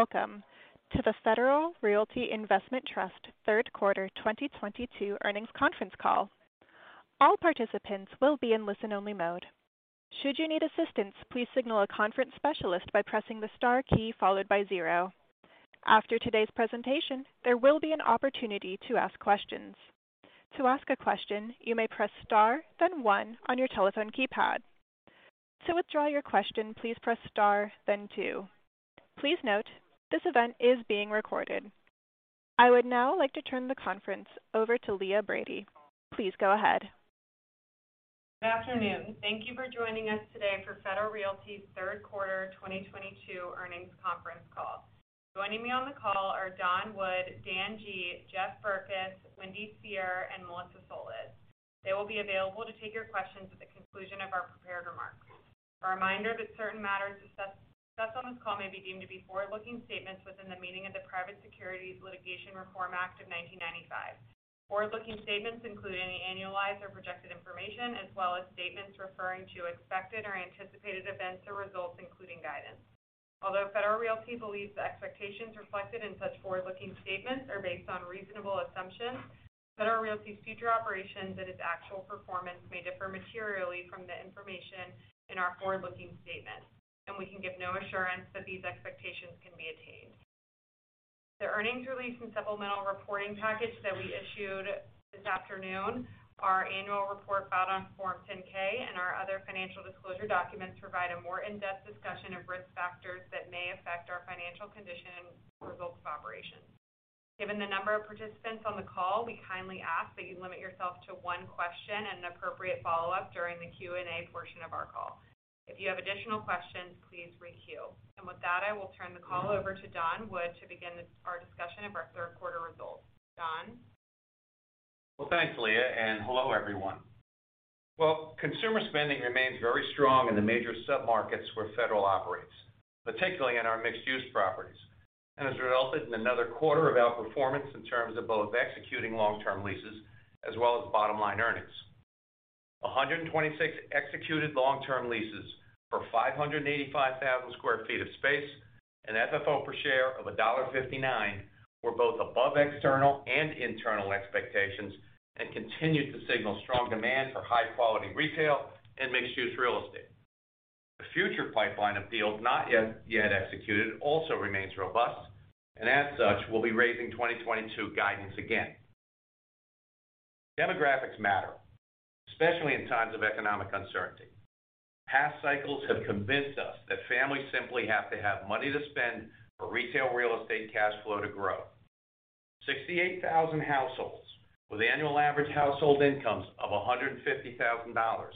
Hello and welcome to the Federal Realty Investment Trust Third Quarter 2022 Earnings Conference Call. All participants will be in listen-only mode. Should you need assistance, please signal a conference specialist by pressing the star key followed by zero. After today's presentation, there will be an opportunity to ask questions. To ask a question, you may press star, then one on your telephone keypad. To withdraw your question, please press star, then two. Please note, this event is being recorded. I would now like to turn the conference over to Leah Brady. Please go ahead. Good afternoon. Thank you for joining us today for Federal Realty third quarter 2022 earnings conference call. Joining me on the call are Don Wood, Dan Gee, Jeff Berkes, Wendy Cyr, and Melissa Solis. They will be available to take your questions at the conclusion of our prepared remarks. A reminder that certain matters discussed on this call may be deemed to be forward-looking statements within the meaning of the Private Securities Litigation Reform Act of 1995. Forward-looking statements include any annualized or projected information, as well as statements referring to expected or anticipated events or results, including guidance. Although Federal Realty believes the expectations reflected in such forward-looking statements are based on reasonable assumptions, Federal Realty's future operations and its actual performance may differ materially from the information in our forward-looking statements, and we can give no assurance that these expectations can be attained. The earnings release and supplemental reporting package that we issued this afternoon, our annual report filed on Form 10-K, and our other financial disclosure documents provide a more in-depth discussion of risk factors that may affect our financial condition and results of operations. Given the number of participants on the call, we kindly ask that you limit yourself to one question and an appropriate follow-up during the Q and A portion of our call. If you have additional questions, please re-queue. With that, I will turn the call over to Don Wood to begin this, our discussion of our third quarter results. Don? Well, thanks, Leah, and hello, everyone. Well, consumer spending remains very strong in the major submarkets where Federal operates, particularly in our mixed-use properties, and has resulted in another quarter of outperformance in terms of both executing long-term leases as well as bottom-line earnings. 126 executed long-term leases for 585,000 sq ft of space and FFO per share of $1.59 were both above external and internal expectations and continued to signal strong demand for high-quality retail and mixed-use real estate. The future pipeline of deals not yet executed also remains robust, and as such, we'll be raising 2022 guidance again. Demographics matter, especially in times of economic uncertainty. Past cycles have convinced us that families simply have to have money to spend for retail real estate cash flow to grow. 68,000 households with annual average household incomes of $150,000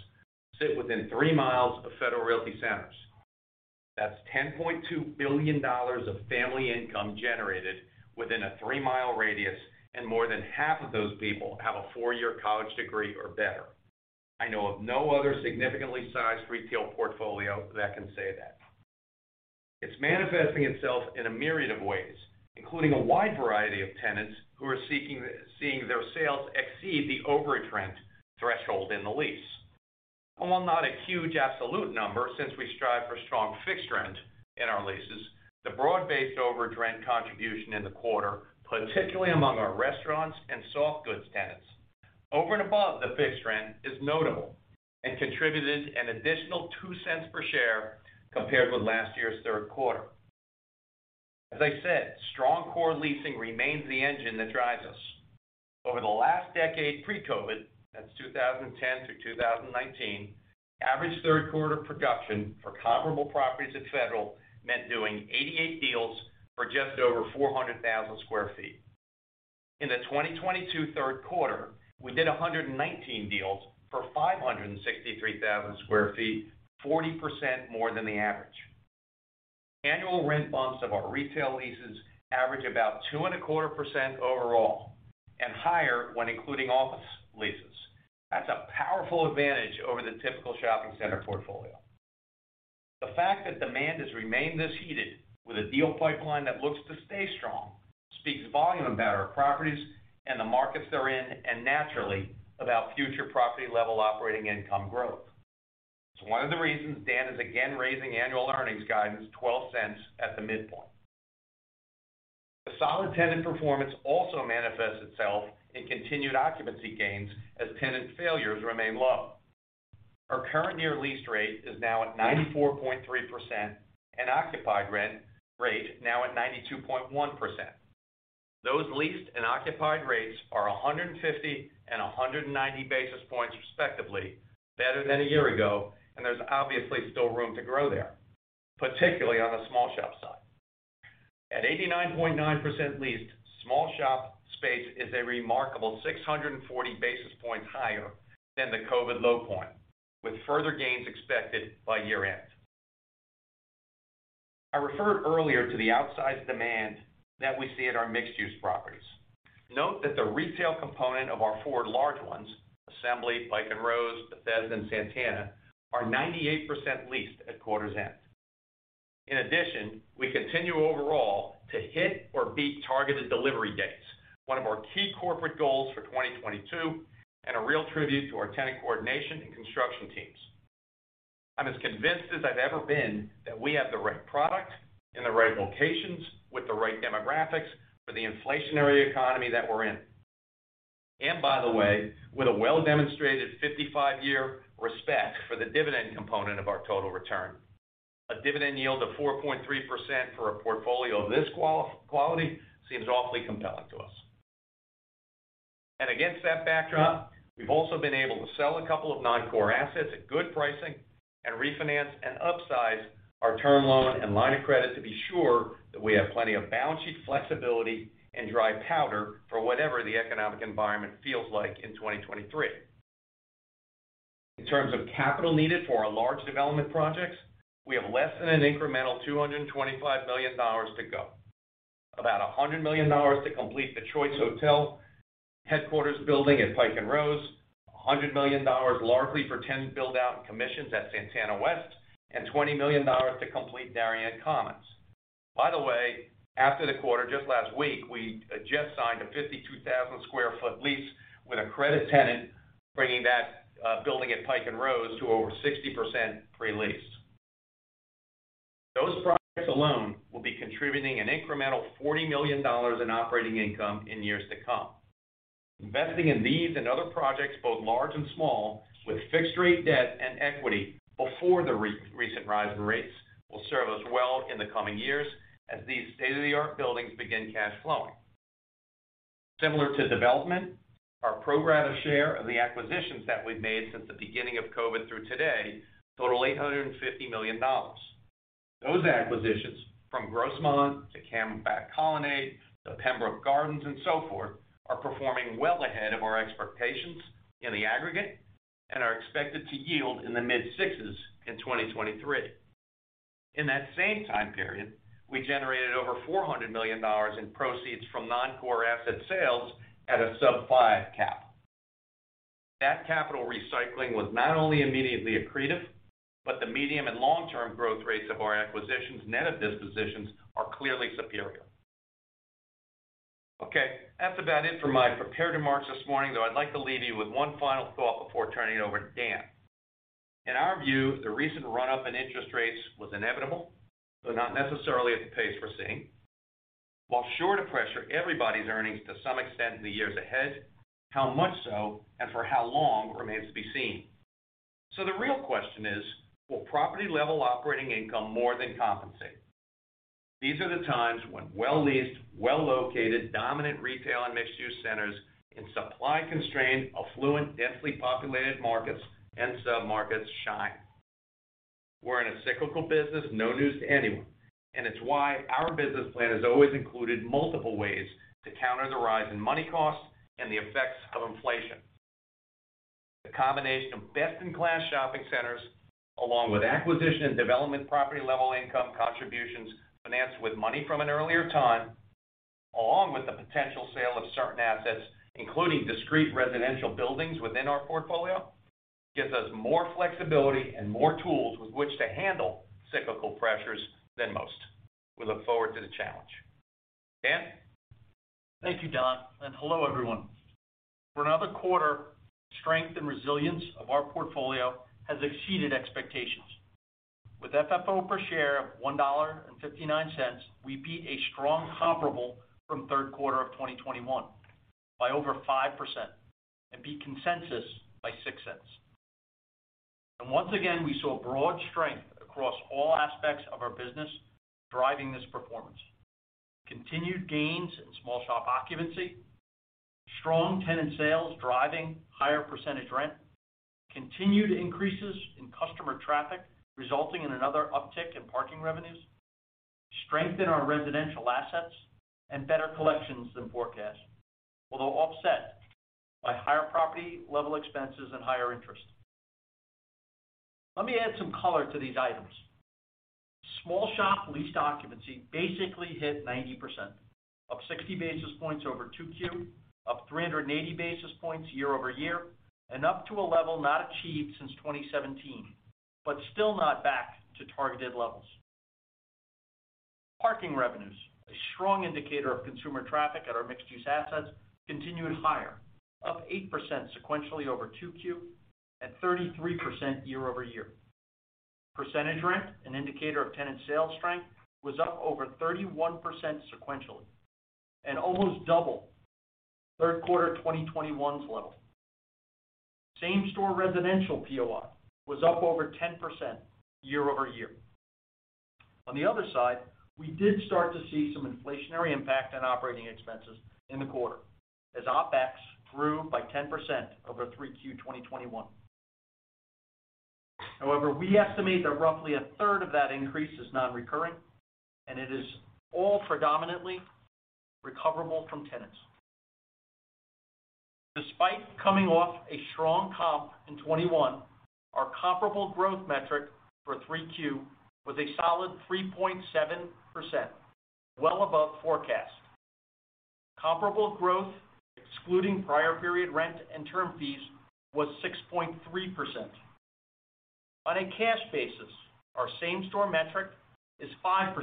sit within three miles of Federal Realty centers. That's $10.2 billion of family income generated within a three-mile radius, and more than half of those people have a four-year college degree or better. I know of no other significantly sized retail portfolio that can say that. It's manifesting itself in a myriad of ways, including a wide variety of tenants who are seeing their sales exceed the overage rent threshold in the lease. While not a huge absolute number, since we strive for strong fixed rent in our leases, the broad-based overage rent contribution in the quarter, particularly among our restaurants and soft goods tenants, over and above the fixed rent is notable and contributed an additional $0.02 per share compared with last year's third quarter. As I said, strong core leasing remains the engine that drives us. Over the last decade pre-COVID, that's 2010 through 2019, average third quarter production for comparable properties at Federal meant doing 88 deals for just over 400,000 sq ft. In the 2022 third quarter, we did 119 deals for 563,000 sq ft, 40% more than the average. Annual rent bumps of our retail leases average about 2.25% overall and higher when including office leases. That's a powerful advantage over the typical shopping center portfolio. The fact that demand has remained this heated with a deal pipeline that looks to stay strong speaks volumes about our properties and the markets they're in and naturally about future property-level operating income growth. It's one of the reasons Dan is again raising annual earnings guidance $0.12 at the midpoint. The solid tenant performance also manifests itself in continued occupancy gains as tenant failures remain low. Our current year leased rate is now at 94.3%, and occupied rate now at 92.1%. Those leased and occupied rates are 150 and 190 basis points respectively better than a year ago, and there's obviously still room to grow there, particularly on the small shop side. At 89.9% leased, small shop space is a remarkable 640 basis points higher than the COVID low point, with further gains expected by year-end. I referred earlier to the outsized demand that we see at our mixed-use properties. Note that the retail component of our four large ones, Assembly, Pike & Rose, Bethesda, and Santana, are 98% leased at quarter's end. In addition, we continue to hit or beat targeted delivery dates, one of our key corporate goals for 2022, and a real tribute to our tenant coordination and construction teams. I'm as convinced as I've ever been that we have the right product in the right locations with the right demographics for the inflationary economy that we're in. By the way, with a well-demonstrated 55-year respect for the dividend component of our total return. A dividend yield of 4.3% for a portfolio of this quality seems awfully compelling to us. Against that backdrop, we've also been able to sell a couple of non-core assets at good pricing and refinance and upsize our term loan and line of credit to be sure that we have plenty of balance sheet flexibility and dry powder for whatever the economic environment feels like in 2023. In terms of capital needed for our large development projects, we have less than an incremental $225 million to go. About $100 million to complete the Choice Hotels headquarters building at Pike & Rose, $100 million largely for tenant build-out and commissions at Santana West, and $20 million to complete Darien Commons. By the way, after the quarter, just last week, we just signed a 52,000 sq ft lease with a credit tenant, bringing that building at Pike & Rose to over 60% pre-leased. Those projects alone will be contributing an incremental $40 million in operating income in years to come. Investing in these and other projects, both large and small, with fixed rate debt and equity before the recent rise in rates will serve us well in the coming years as these state-of-the-art buildings begin cash flowing. Similar to development, our pro rata share of the acquisitions that we've made since the beginning of COVID-19 through today total $850 million. Those acquisitions, from Grossmont to Camelback Colonnade to Pembroke Gardens and so forth, are performing well ahead of our expectations in the aggregate and are expected to yield in the mid-sixes in 2023. In that same time period, we generated over $400 million in proceeds from non-core asset sales at a sub-five cap. That capital recycling was not only immediately accretive, but the medium and long-term growth rates of our acquisitions net of dispositions are clearly superior. Okay, that's about it for my prepared remarks this morning, though I'd like to leave you with one final thought before turning it over to Dan Gee. In our view, the recent run-up in interest rates was inevitable, though not necessarily at the pace we're seeing. While sure to pressure everybody's earnings to some extent in the years ahead, how much so and for how long remains to be seen. The real question is: Will property level operating income more than compensate? These are the times when well-leased, well-located, dominant retail and mixed use centers in supply-constrained, affluent, densely populated markets and sub-markets shine. We're in a cyclical business, no news to anyone, and it's why our business plan has always included multiple ways to counter the rise in money costs and the effects of inflation. The combination of best-in-class shopping centers, along with acquisition and development property level income contributions financed with money from an earlier time, along with the potential sale of certain assets, including discrete residential buildings within our portfolio, gives us more flexibility and more tools with which to handle cyclical pressures than most. We look forward to the challenge. Dan? Thank you, Don, and hello, everyone. For another quarter, the strength and resilience of our portfolio has exceeded expectations. With FFO per share of $1.59, we beat a strong comparable from third quarter of 2021 by over 5% and beat consensus by $0.06. Once again, we saw broad strength across all aspects of our business driving this performance. Continued gains in small shop occupancy, strong tenant sales driving higher percentage rent, continued increases in customer traffic resulting in another uptick in parking revenues, strength in our residential assets, and better collections than forecast, although offset by higher property level expenses and higher interest. Let me add some color to these items. Small shop lease occupancy basically hit 90%, up 60 basis points over Q2, up 380 basis points year-over-year, and up to a level not achieved since 2017, but still not back to targeted levels. Parking revenues, a strong indicator of consumer traffic at our mixed-use assets, continued higher, up 8% sequentially over Q2 and 33% year-over-year. Percentage rent, an indicator of tenant sales strength, was up over 31% sequentially and almost double third quarter 2021's level. Same-store residential POI was up over 10% year-over-year. On the other side, we did start to see some inflationary impact on operating expenses in the quarter as OpEx grew by 10% over Q3 2021. However, we estimate that roughly a third of that increase is non-recurring, and it is all predominantly recoverable from tenants. Despite coming off a strong comp in 2021, our comparable growth metric for Q3 was a solid 3.7%, well above forecast. Comparable growth excluding prior period rent and term fees was 6.3%. On a cash basis, our same-store metric is 5%.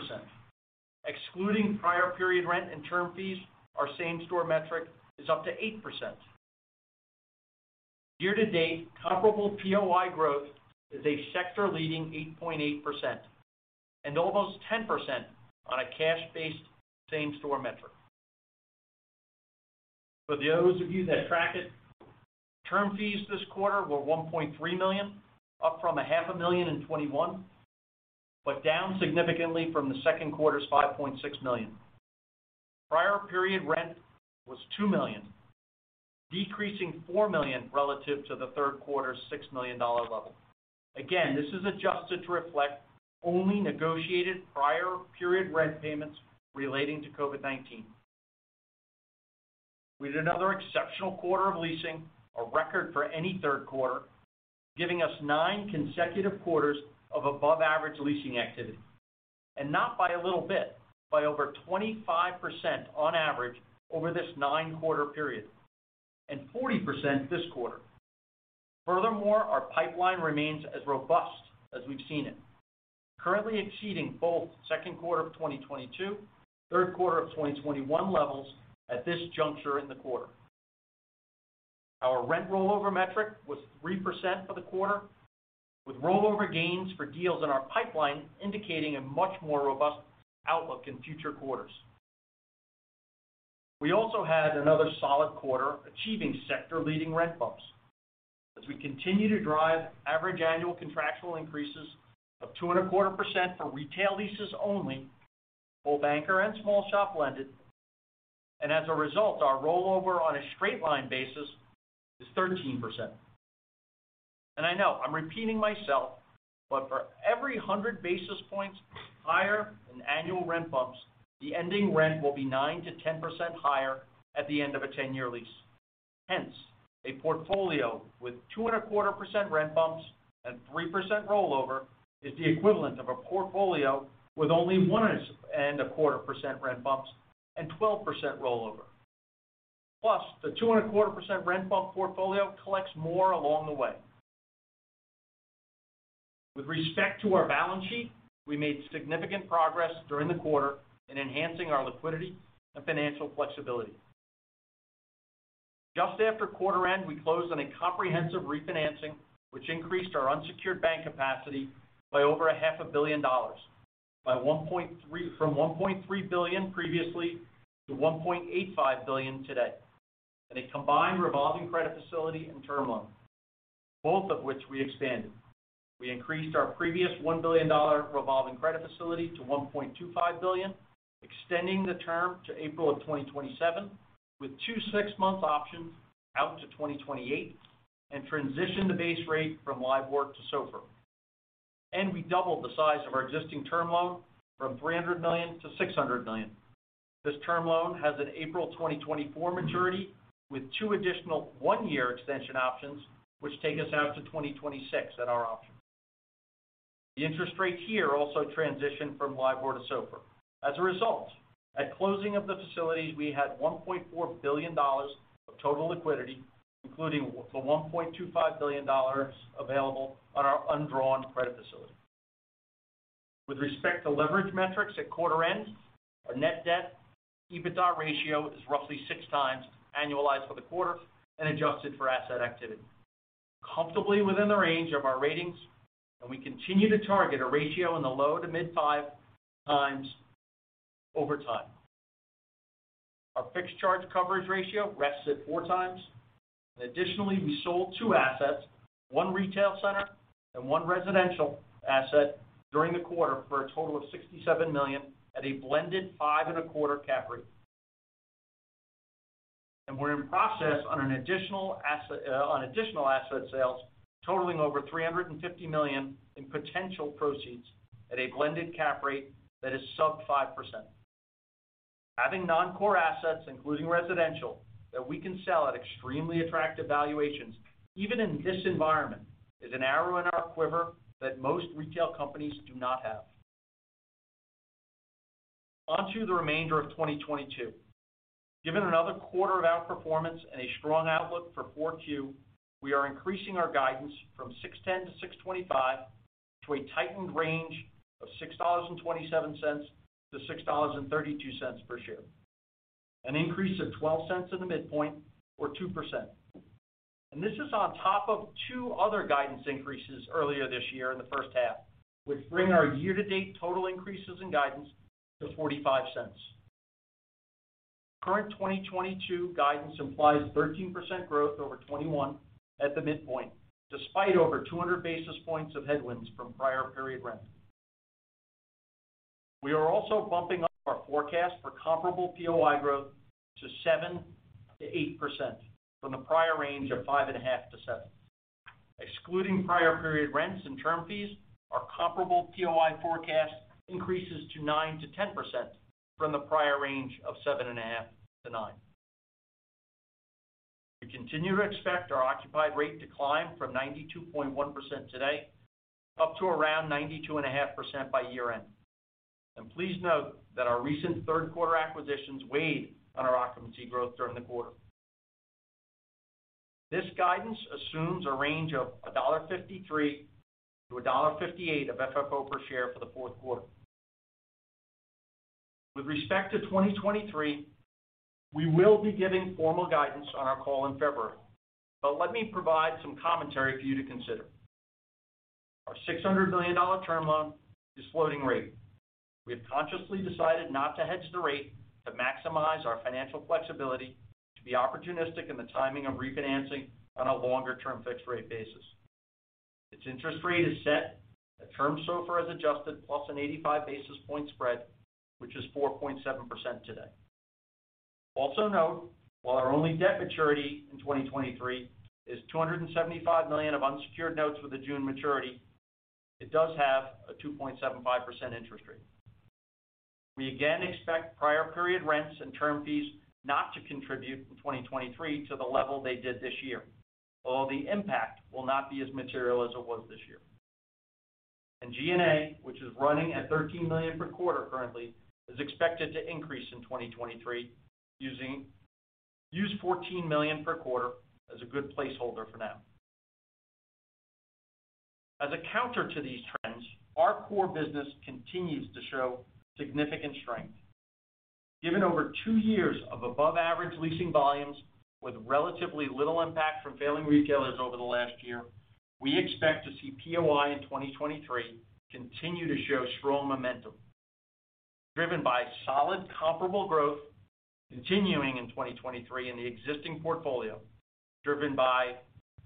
Excluding prior period rent and term fees, our same-store metric is up to 8%. Year-to-date comparable POI growth is a sector-leading 8.8% and almost 10% on a cash-based same-store metric. For those of you that track it, term fees this quarter were $1.3 million, up from half a million in 2021, but down significantly from the second quarter's $5.6 million. Prior period rent was $2 million, decreasing $4 million relative to the third quarter's $6 million level. Again, this is adjusted to reflect only negotiated prior period rent payments relating to COVID-19. We had another exceptional quarter of leasing, a record for any third quarter, giving us nine consecutive quarters of above average leasing activity, and not by a little bit, by over 25% on average over this nine-quarter period, and 40% this quarter. Furthermore, our pipeline remains as robust as we've seen it, currently exceeding both second quarter of 2022, third quarter of 2021 levels at this juncture in the quarter. Our rent rollover metric was 3% for the quarter, with rollover gains for deals in our pipeline indicating a much more robust outlook in future quarters. We also had another solid quarter achieving sector-leading rent bumps as we continue to drive average annual contractual increases of 2.25% for retail leases only, both anchor and small-shop leases. As a result, our rollover on a straight-line basis is 13%. I know I'm repeating myself, but for every 100 basis points higher than annual rent bumps, the ending rent will be 9%-10% higher at the end of a 10-year lease. Hence, a portfolio with 2.25% rent bumps and 3% rollover is the equivalent of a portfolio with only 1.25% rent bumps and 12% rollover. Plus, the 2.25% rent bump portfolio collects more along the way. With respect to our balance sheet, we made significant progress during the quarter in enhancing our liquidity and financial flexibility. Just after quarter end, we closed on a comprehensive refinancing which increased our unsecured bank capacity by over a half a billion dollars from $1.3 billion previously to $1.85 billion today in a combined revolving credit facility and term loan, both of which we expanded. We increased our previous $1 billion revolving credit facility to $1.25 billion, extending the term to April 2027, with two six-month options out to 2028 and transitioned the base rate from LIBOR to SOFR. We doubled the size of our existing term loan from $300 million to $600 million. This term loan has an April 2024 maturity with two additional one-year extension options, which take us out to 2026 at our option. The interest rate here also transitioned from LIBOR to SOFR. As a result, at closing of the facilities, we had $1.4 billion of total liquidity, including the $1.25 billion available on our undrawn credit facility. With respect to leverage metrics at quarter end, our net debt EBITDA ratio is roughly 6x annualized for the quarter and adjusted for asset activity, comfortably within the range of our ratings, and we continue to target a ratio in the low- to mid-5x over time. Our fixed charge coverage ratio rests at 4x. Additionally, we sold two assets, one retail center and one residential asset during the quarter for a total of $67 million at a blended 5.25% cap rate. We're in process on additional asset sales totaling over $350 million in potential proceeds at a blended cap rate that is sub-5%. Having non-core assets, including residential, that we can sell at extremely attractive valuations, even in this environment, is an arrow in our quiver that most retail companies do not have. On to the remainder of 2022. Given another quarter of outperformance and a strong outlook for Q4, we are increasing our guidance from $6.10-$6.25 to a tightened range of $6.27-$6.32 per share, an increase of $0.12 in the midpoint or 2%. This is on top of two other guidance increases earlier this year in the first half, which bring our year-to-date total increases in guidance to $0.45. Current 2022 guidance implies 13% growth over 2021 at the midpoint, despite over 200 basis points of headwinds from prior period rent. We are also bumping up our forecast for comparable POI growth to 7%-8% from the prior range of 5.5%-7%. Excluding prior period rents and term fees, our comparable POI forecast increases to 9%-10% from the prior range of 7.5%-9%. We continue to expect our occupied rate to climb from 92.1% today up to around 92.5% by year-end. Please note that our recent third quarter acquisitions weighed on our occupancy growth during the quarter. This guidance assumes a range of $1.53-$1.58 of FFO per share for the fourth quarter. With respect to 2023, we will be giving formal guidance on our call in February. Let me provide some commentary for you to consider. Our $600 million term loan is floating rate. We have consciously decided not to hedge the rate, but maximize our financial flexibility to be opportunistic in the timing of refinancing on a longer-term fixed rate basis. Its interest rate is set at term SOFR as adjusted plus an 85 basis point spread, which is 4.7% today. Also note, while our only debt maturity in 2023 is $275 million of unsecured notes with a June maturity, it does have a 2.75% interest rate. We again expect prior period rents and term fees not to contribute in 2023 to the level they did this year, although the impact will not be as material as it was this year. G&A, which is running at $13 million per quarter currently, is expected to increase in 2023. Use $14 million per quarter as a good placeholder for now. As a counter to these trends, our core business continues to show significant strength. Given over two years of above average leasing volumes with relatively little impact from failing retailers over the last year, we expect to see POI in 2023 continue to show strong momentum, driven by solid comparable growth continuing in 2023 in the existing portfolio, driven by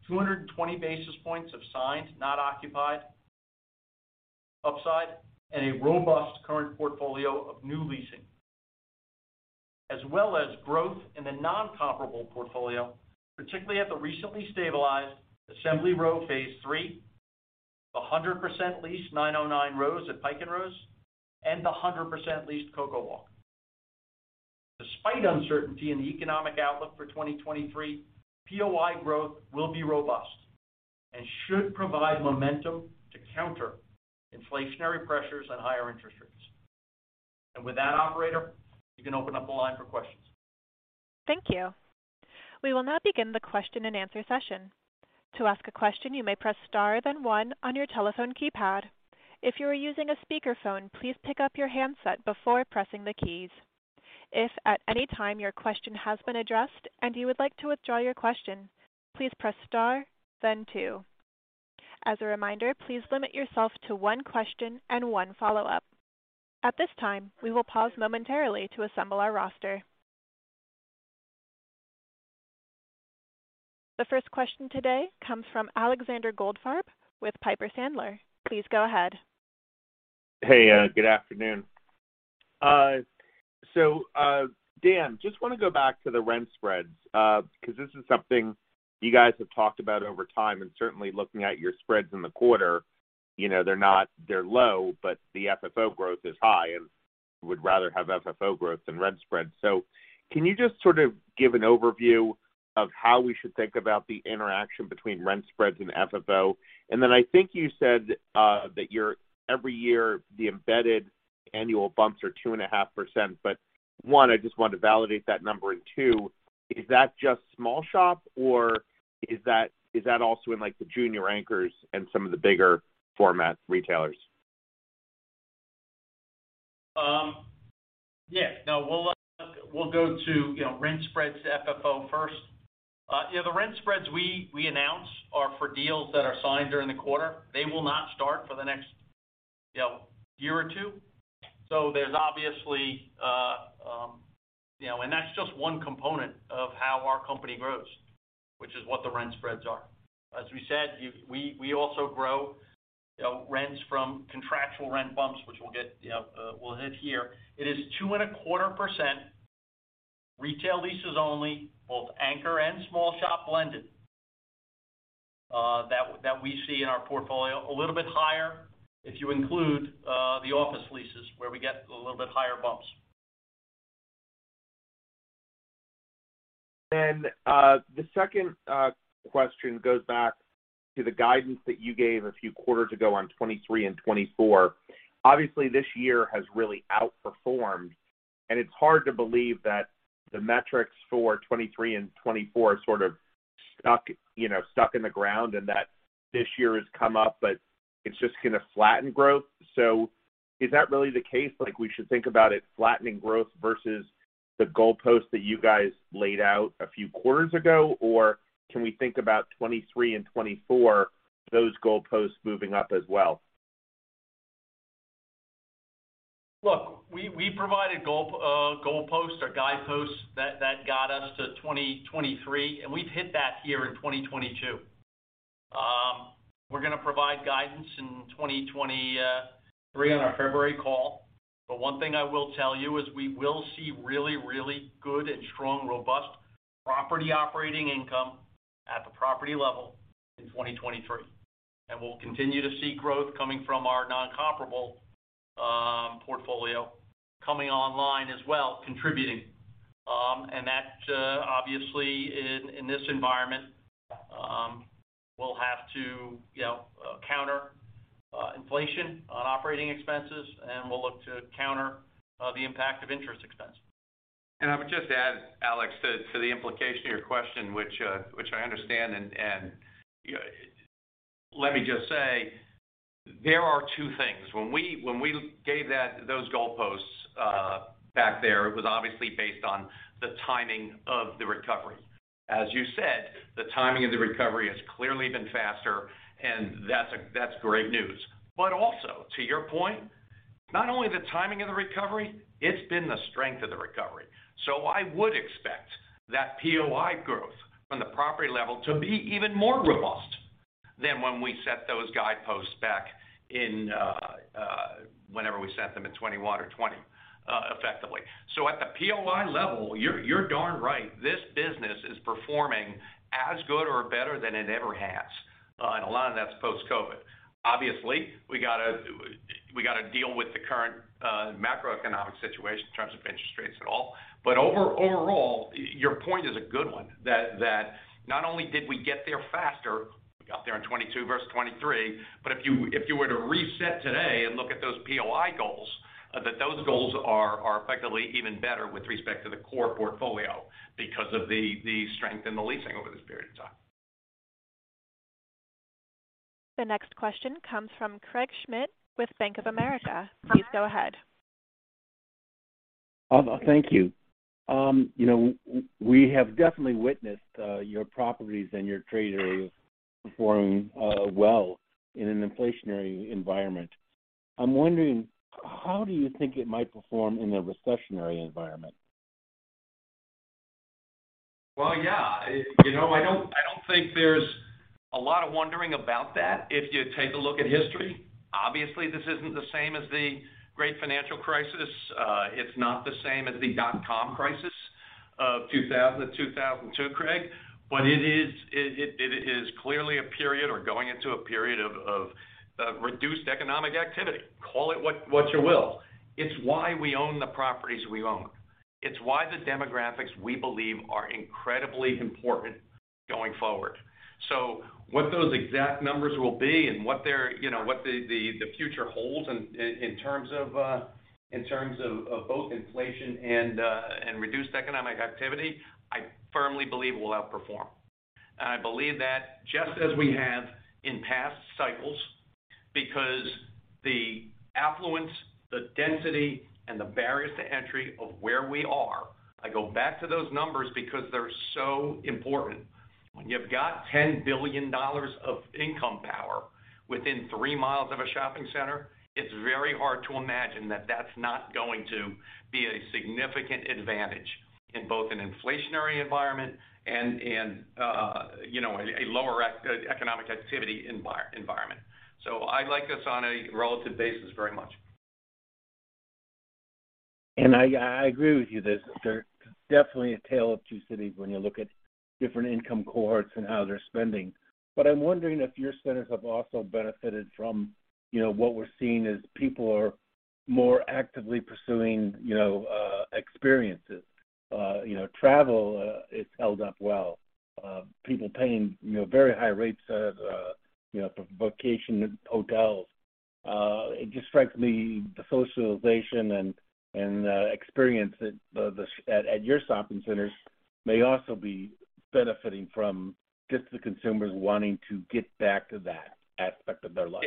220 basis points of signed not occupied upside and a robust current portfolio of new leasing. As well as growth in the non-comparable portfolio, particularly at the recently stabilized Assembly Row phase III, the 100% leased 909 Rose at Pike & Rose, and the 100% leased CocoWalk. Despite uncertainty in the economic outlook for 2023, POI growth will be robust and should provide momentum to counter inflationary pressures and higher interest rates. With that, operator, you can open up the line for questions. Thank you. We will now begin the question and answer session. To ask a question, you may press star then one on your telephone keypad. If you are using a speakerphone, please pick up your handset before pressing the keys. If at any time your question has been addressed and you would like to withdraw your question, please press star then two. As a reminder, please limit yourself to one question and one follow-up. At this time, we will pause momentarily to assemble our roster. The first question today comes from Alexander Goldfarb with Piper Sandler. Please go ahead. Hey, good afternoon. Dan Gee, just wanna go back to the rent spreads, because this is something you guys have talked about over time, and certainly looking at your spreads in the quarter, you know, they're low, but the FFO growth is high, and would rather have FFO growth than rent spreads. Can you just sort of give an overview of how we should think about the interaction between rent spreads and FFO? Then I think you said that every year your embedded annual bumps are 2.5%. One, I just want to validate that number, and two, is that just small shop, or is that also in like the junior anchors and some of the bigger format retailers? Yeah. No, we'll go to, you know, rent spreads to FFO first. Yeah, the rent spreads we announce are for deals that are signed during the quarter. They will not start for the next, you know, year or two. There's obviously, you know, and that's just one component of how our company grows, which is what the rent spreads are. As we said, we also grow, you know, rents from contractual rent bumps, which we'll get, you know, we'll hit here. It is 2.25% retail leases only, both anchor and small shop blended, that we see in our portfolio. A little bit higher if you include the office leases where we get a little bit higher bumps. The second question goes back to the guidance that you gave a few quarters ago on 2023 and 2024. Obviously, this year has really outperformed, and it's hard to believe that the metrics for 2023 and 2024 are sort of stuck, you know, stuck in the ground and that this year has come up, but it's just gonna flatten growth. Is that really the case? Like, we should think about it flattening growth versus the goalpost that you guys laid out a few quarters ago? Or can we think about 2023 and 2024, those goalposts moving up as well? Look, we provided a goalpost or guideposts that got us to 2023, and we've hit that here in 2022. We're gonna provide guidance in 2023 on our February call. One thing I will tell you is we will see really good and strong, robust property operating income, property level in 2023. We'll continue to see growth coming from our non-comparable portfolio coming online as well, contributing. That obviously in this environment, we'll have to, you know, counter inflation on operating expenses, and we'll look to counter the impact of interest expense. I would just add, Alex, to the implication of your question, which I understand and, you know, let me just say there are two things. When we gave those goalposts back there, it was obviously based on the timing of the recovery. As you said, the timing of the recovery has clearly been faster, and that's great news. Also, to your point, not only the timing of the recovery, it's been the strength of the recovery. I would expect that POI growth from the property level to be even more robust than when we set those guideposts back in, whenever we set them in 2021 or 2020, effectively. At the POI level, you're darn right, this business is performing as good or better than it ever has, and a lot of that's post-COVID. Obviously, we gotta deal with the current macroeconomic situation in terms of interest rates at all. Overall, your point is a good one, that not only did we get there faster, we got there in 2022 versus 2023, but if you were to reset today and look at those POI goals, those goals are effectively even better with respect to the core portfolio because of the strength in the leasing over this period of time. The next question comes from Craig Schmidt with Bank of America. Please go ahead. Thank you. You know, we have definitely witnessed your properties and your tenants performing well in an inflationary environment. I'm wondering, how do you think it might perform in a recessionary environment? Well, yeah. You know, I don't think there's a lot of wondering about that if you take a look at history. Obviously, this isn't the same as the great financial crisis. It's not the same as the dotcom crisis of 2000, 2002, Craig. What it is, it is clearly a period or going into a period of reduced economic activity. Call it what you will. It's why we own the properties we own. It's why the demographics we believe are incredibly important going forward. What those exact numbers will be and what they're, you know, what the future holds in terms of both inflation and reduced economic activity, I firmly believe we'll outperform. I believe that just as we have in past cycles, because the affluence, the density, and the barriers to entry of where we are, I go back to those numbers because they're so important. When you've got $10 billion of income power within three miles of a shopping center, it's very hard to imagine that that's not going to be a significant advantage in both an inflationary environment and, you know, a lower economic activity environment. So I like us on a relative basis very much. I agree with you. There's definitely a tale of two cities when you look at different income cohorts and how they're spending. I'm wondering if your centers have also benefited from, you know, what we're seeing is people are more actively pursuing, you know, experiences. You know, travel, it's held up well. People paying, you know, very high rates at, you know, for vacation hotels. It just strikes me the socialization and experience at the at your shopping centers may also be benefiting from just the consumers wanting to get back to that aspect of their life.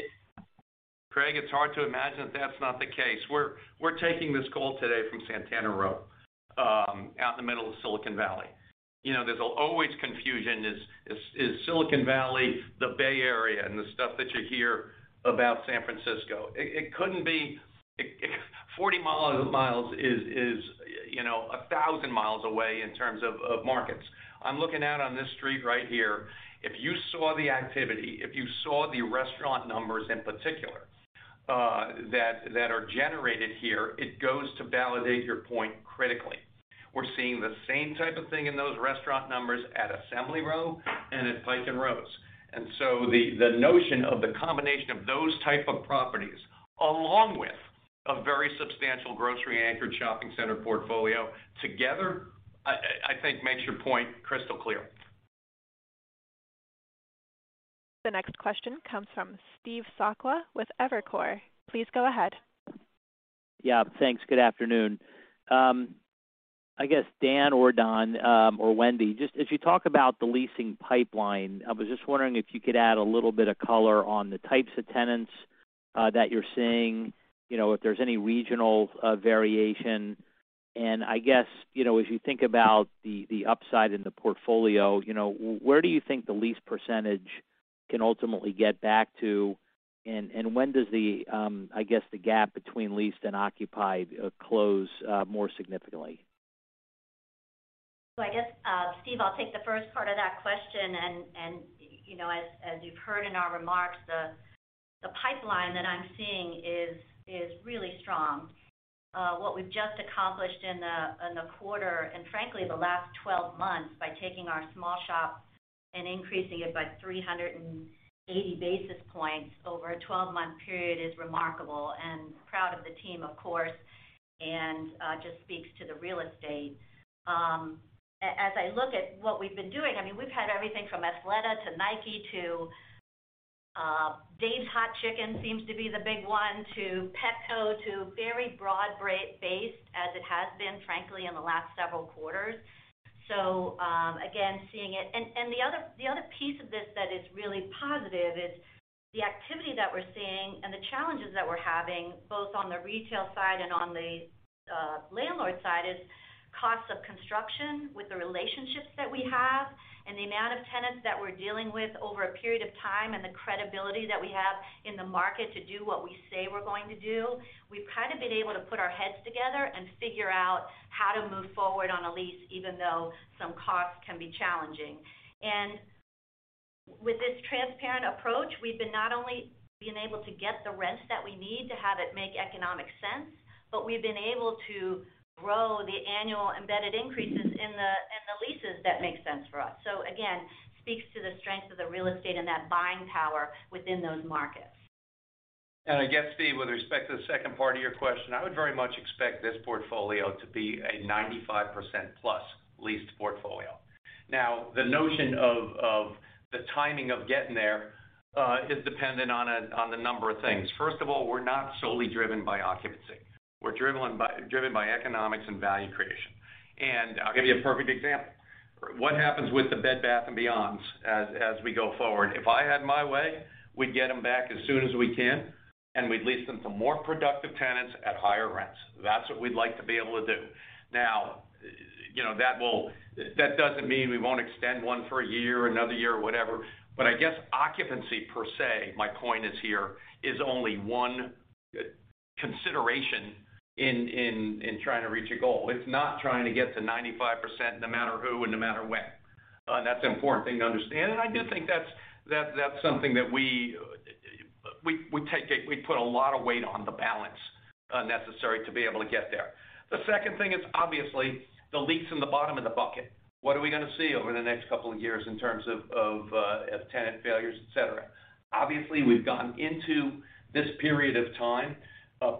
Craig, it's hard to imagine that that's not the case. We're taking this call today from Santana Row out in the middle of Silicon Valley. You know, there's always confusion. Is Silicon Valley the Bay Area and the stuff that you hear about San Francisco? It couldn't be. 40 miles is, you know, 1,000 miles away in terms of markets. I'm looking out on this street right here. If you saw the activity, if you saw the restaurant numbers in particular that are generated here, it goes to validate your point critically. We're seeing the same type of thing in those restaurant numbers at Assembly Row and at Pike & Rose. The notion of the combination of those type of properties, along with a very substantial grocery anchored shopping center portfolio together, I think makes your point crystal clear. The next question comes from Steve Sakwa with Evercore. Please go ahead. Yeah. Thanks. Good afternoon. I guess, Dan or Don, or Wendy, just as you talk about the leasing pipeline, I was just wondering if you could add a little bit of color on the types of tenants that you're seeing, you know, if there's any regional variation. I guess, you know, as you think about the upside in the portfolio, you know, where do you think the lease percentage can ultimately get back to, and when does the gap between leased and occupied close more significantly? I guess, Steve, I'll take the first part of that question. You know, as you've heard in our remarks, the pipeline that I'm seeing is really strong. What we've just accomplished in the quarter, and frankly the last 12 months by taking our small shop and increasing it by 380 basis points over a 12-month period is remarkable. Proud of the team, of course, and just speaks to the real estate. As I look at what we've been doing, I mean, we've had everything from Athleta to Nike to Dave's Hot Chicken seems to be the big one, to Petco, to very broad-based as it has been, frankly, in the last several quarters. Again, seeing it. The other piece of this that is really positive is the activity that we're seeing and the challenges that we're having, both on the retail side and on the landlord side, is costs of construction with the relationships that we have and the amount of tenants that we're dealing with over a period of time, and the credibility that we have in the market to do what we say we're going to do. We've kind of been able to put our heads together and figure out how to move forward on a lease, even though some costs can be challenging. With this transparent approach, we've been not only able to get the rents that we need to have it make economic sense, but we've been able to grow the annual embedded increases in the leases that make sense for us. Speaks to the strength of the real estate and that buying power within those markets. I guess, Steve, with respect to the second part of your question, I would very much expect this portfolio to be a 95%+ leased portfolio. Now, the notion of the timing of getting there is dependent on a number of things. First of all, we're not solely driven by occupancy. We're driven by economics and value creation. I'll give you a perfect example. What happens with the Bed Bath & Beyond as we go forward? If I had my way, we'd get them back as soon as we can, and we'd lease them to more productive tenants at higher rents. That's what we'd like to be able to do. Now, you know, that doesn't mean we won't extend one for a year, another year, or whatever. I guess occupancy per se, my point is here, is only one consideration in trying to reach a goal. It's not trying to get to 95% no matter who and no matter when. That's an important thing to understand, and I do think that's something that we put a lot of weight on the balance necessary to be able to get there. The second thing is obviously the leaks in the bottom of the bucket. What are we gonna see over the next couple of years in terms of of tenant failures, et cetera? Obviously, we've gotten into this period of time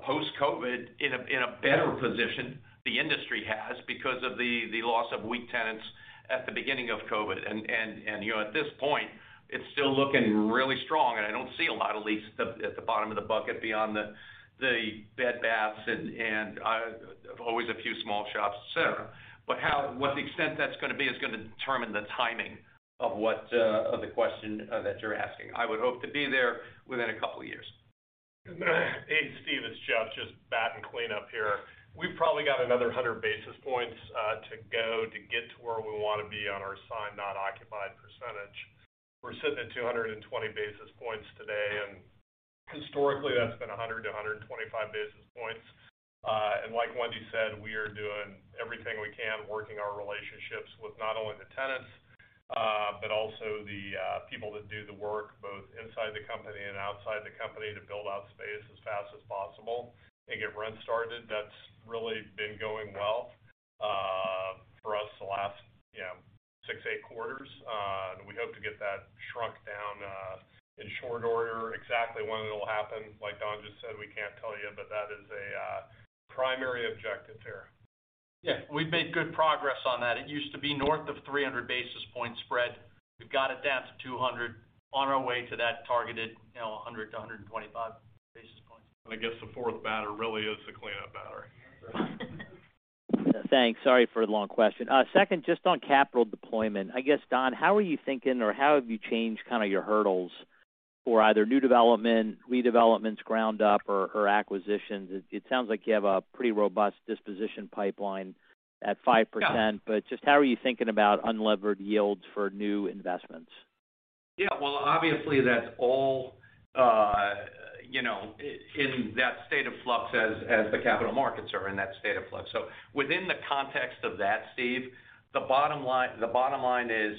post-COVID-19 in a better position, the industry has, because of the loss of weak tenants at the beginning of COVID-19. You know, at this point, it's still looking really strong, and I don't see a lot of leaks at the bottom of the bucket beyond the Bed Bath & Beyond and always a few small shops, et cetera. But what the extent that's gonna be is gonna determine the timing of the question that you're asking. I would hope to be there within a couple of years. Hey, Steve, it's Jeff. Just batting clean up here. We've probably got another 100 basis points to go to get to where we wanna be on our signed, not occupied percentage. We're sitting at 220 basis points today, and historically, that's been 100 to 125 basis points. Like Wendy said, we are doing everything we can, working our relationships with not only the tenants, but also the people that do the work both inside the company and outside the company to build out space as fast as possible and get rent started. That's really been going well for us the last, you know, six, eight quarters. We hope to get that shrunk down in short order. Exactly when it'll happen, like Don just said, we can't tell you, but that is a primary objective here. Yeah. We've made good progress on that. It used to be north of 300 basis points spread. We've got it down to 200, on our way to that targeted, you know, 100-125 basis points. I guess the fourth batter really is the cleanup batter. Thanks. Sorry for the long question. Second, just on capital deployment. I guess, Don, how are you thinking, or how have you changed kind of your hurdles for either new development, redevelopments ground up, or acquisitions? It sounds like you have a pretty robust disposition pipeline at 5%. Yeah. just how are you thinking about unlevered yields for new investments? Yeah. Well, obviously, that's all, you know, in that state of flux as the capital markets are in that state of flux. Within the context of that, Steve, the bottom line is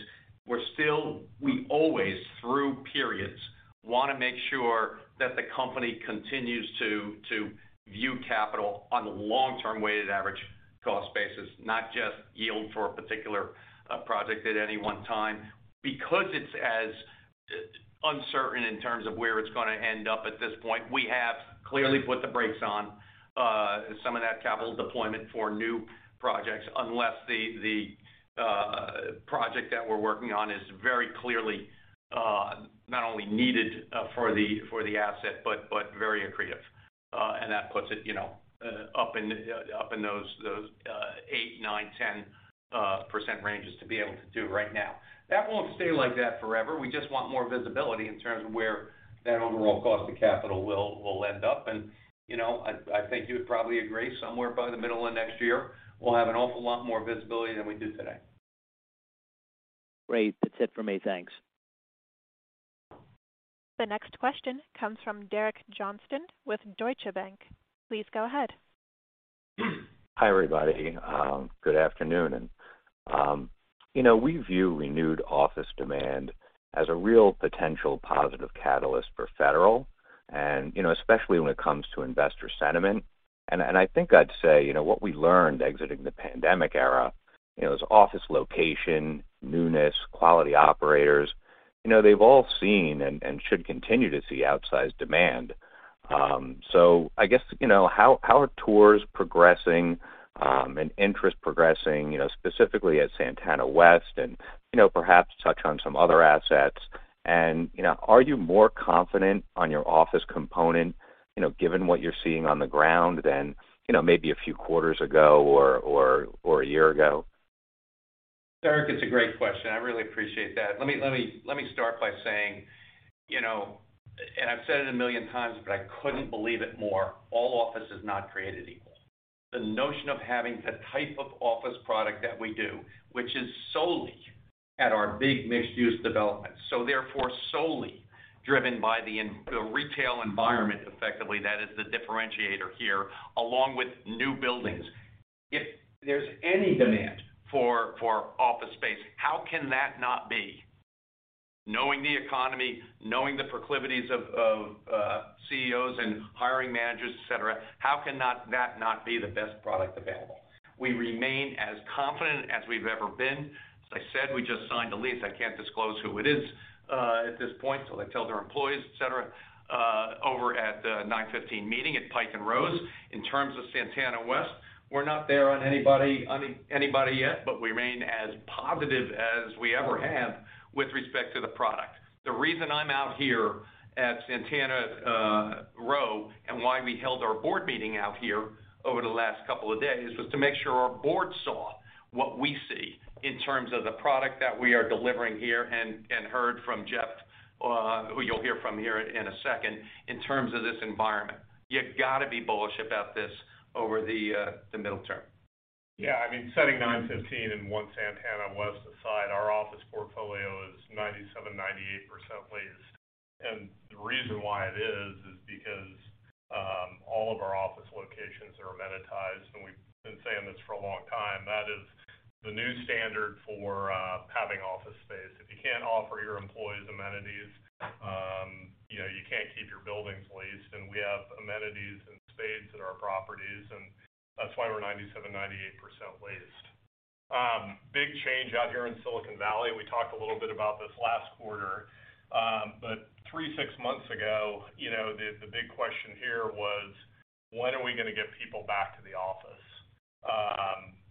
we always through periods, wanna make sure that the company continues to view capital on the long-term weighted average cost basis, not just yield for a particular project at any one time. Because it's as uncertain in terms of where it's gonna end up at this point, we have clearly put the brakes on some of that capital deployment for new projects, unless the project that we're working on is very clearly not only needed for the asset, but very accretive. That puts it, you know, up in those 8%-10% ranges to be able to do right now. That won't stay like that forever. We just want more visibility in terms of where that overall cost of capital will end up. You know, I think you would probably agree somewhere by the middle of next year, we'll have an awful lot more visibility than we do today. Great. That's it for me. Thanks. The next question comes from Derek Johnston with Deutsche Bank. Please go ahead. Hi, everybody. Good afternoon. You know, we view renewed office demand as a real potential positive catalyst for Federal Realty and, you know, especially when it comes to investor sentiment. I think I'd say, you know, what we learned exiting the pandemic era, you know, is office location, newness, quality operators, you know, they've all seen and should continue to see outsized demand. I guess, you know, how are tours progressing and interest progressing, you know, specifically at Santana West and, you know, perhaps touch on some other assets. You know, are you more confident on your office component, you know, given what you're seeing on the ground than, you know, maybe a few quarters ago or a year ago? Derek, it's a great question. I really appreciate that. Let me start by saying, you know, I've said it a million times, but I couldn't believe it more. All office is not created equal. The notion of having the type of office product that we do, which is solely at our big mixed-use development, so therefore solely driven by the retail environment effectively, that is the differentiator here, along with new buildings. If there's any demand for office space, how can that not be? Knowing the economy, knowing the proclivities of CEOs and hiring managers, et cetera, how can that not be the best product available? We remain as confident as we've ever been. As I said, we just signed a lease. I can't disclose who it is, at this point till they tell their employees, et cetera, over at the 915 Meeting at Pike & Rose. In terms of Santana Row, we're not there on anybody yet, but we remain as positive as we ever have with respect to the product. The reason I'm out here at Santana Row and why we held our board meeting out here over the last couple of days was to make sure our board saw what we see in terms of the product that we are delivering here and heard from Jeff, who you'll hear from here in a second, in terms of this environment. You've got to be bullish about this over the middle term. Yeah. I mean, setting 915 Meeting and One Santana West aside, our office portfolio is 97%-98% leased. The reason why it is because all of our office locations are amenitized. We've been saying this for a long time. That is the new standard for having office space. If you can't offer your employees amenities, you know, you can't keep your buildings leased. We have amenities in spades at our properties, and that's why we're 97%-98% leased. Big change out here in Silicon Valley. We talked a little bit about this last quarter. Three to six months ago, you know, the big question here was, when are we gonna get people back to the office?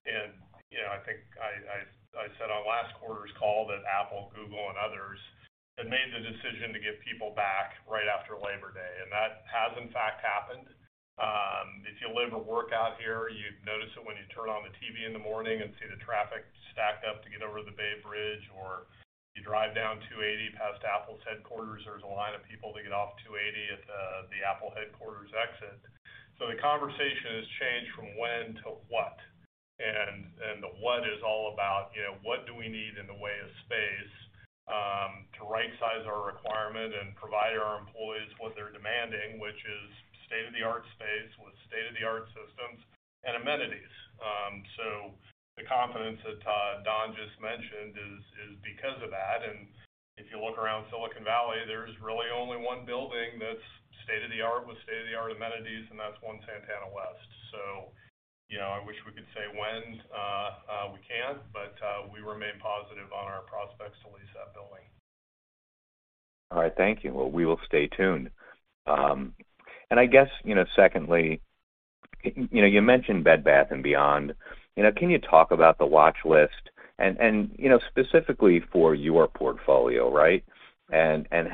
You know, I think I said on last quarter's call that Apple, Google, and others had made the decision to get people back right after Labor Day. That has in fact happened. If you live or work out here, you'd notice it when you turn on the TV in the morning and see the traffic stacked up to get over the Bay Bridge, or you drive down 280 past Apple's headquarters, there's a line of people to get off 280 at the Apple headquarters exit. The conversation has changed from when to what. The what is all about, you know, what do we need in the way of space to rightsize our requirement and provide our employees what they're demanding, which is state-of-the-art space with state-of-the-art systems and amenities. The confidence that Don just mentioned is because of that. If you look around Silicon Valley, there's really only one building that's state-of-the-art with state-of-the-art amenities, and that's One Santana West. You know, I wish we could say when we can't, but we remain positive on our prospects to lease that building. All right. Thank you. Well, we will stay tuned. I guess, you know, secondly, you know, you mentioned Bed Bath & Beyond. You know, can you talk about the watch list and, you know, specifically for your portfolio, right?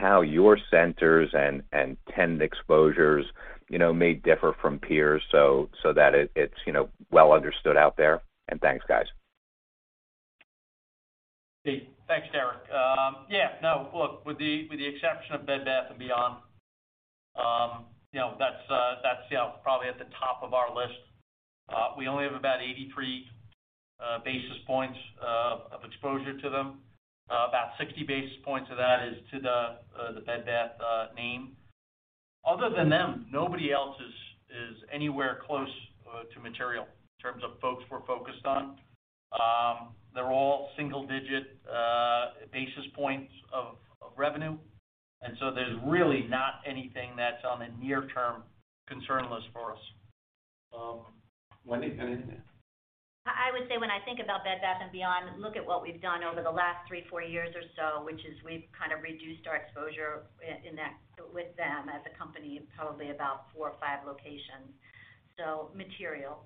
How your centers and tenant exposures, you know, may differ from peers so that it's, you know, well understood out there. Thanks, guys. Thanks, Derek. Yeah, no, look, with the exception of Bed Bath & Beyond, you know, that's probably at the top of our list. We only have about 83 basis points of exposure to them. About 60 basis points of that is to the Bed Bath name. Other than them, nobody else is anywhere close to material in terms of folks we're focused on. They're all single-digit basis points of revenue. There's really not anything that's on the near-term concern list for us. Wendy, anything to add? I would say when I think about Bed Bath & Beyond, look at what we've done over the last three or four years or so, which is we've kind of reduced our exposure in that with them as a company, probably about four or five locations. Material.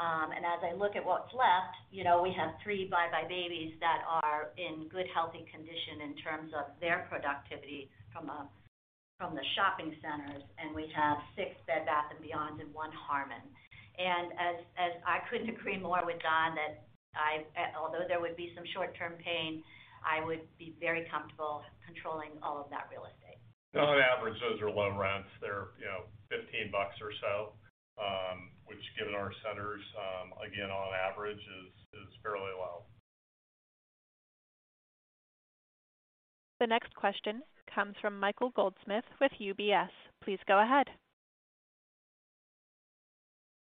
As I look at what's left, you know, we have three buybuy BABY that are in good healthy condition in terms of their productivity from the shopping centers, and we have six Bed Bath & Beyond and one Harmon. As I couldn't agree more with Don that although there would be some short-term pain, I would be very comfortable controlling all of that real estate. On average, those are low rents. They're, you know, $15 or so, which given our centers, again, on average is fairly low. The next question comes from Michael Goldsmith with UBS. Please go ahead.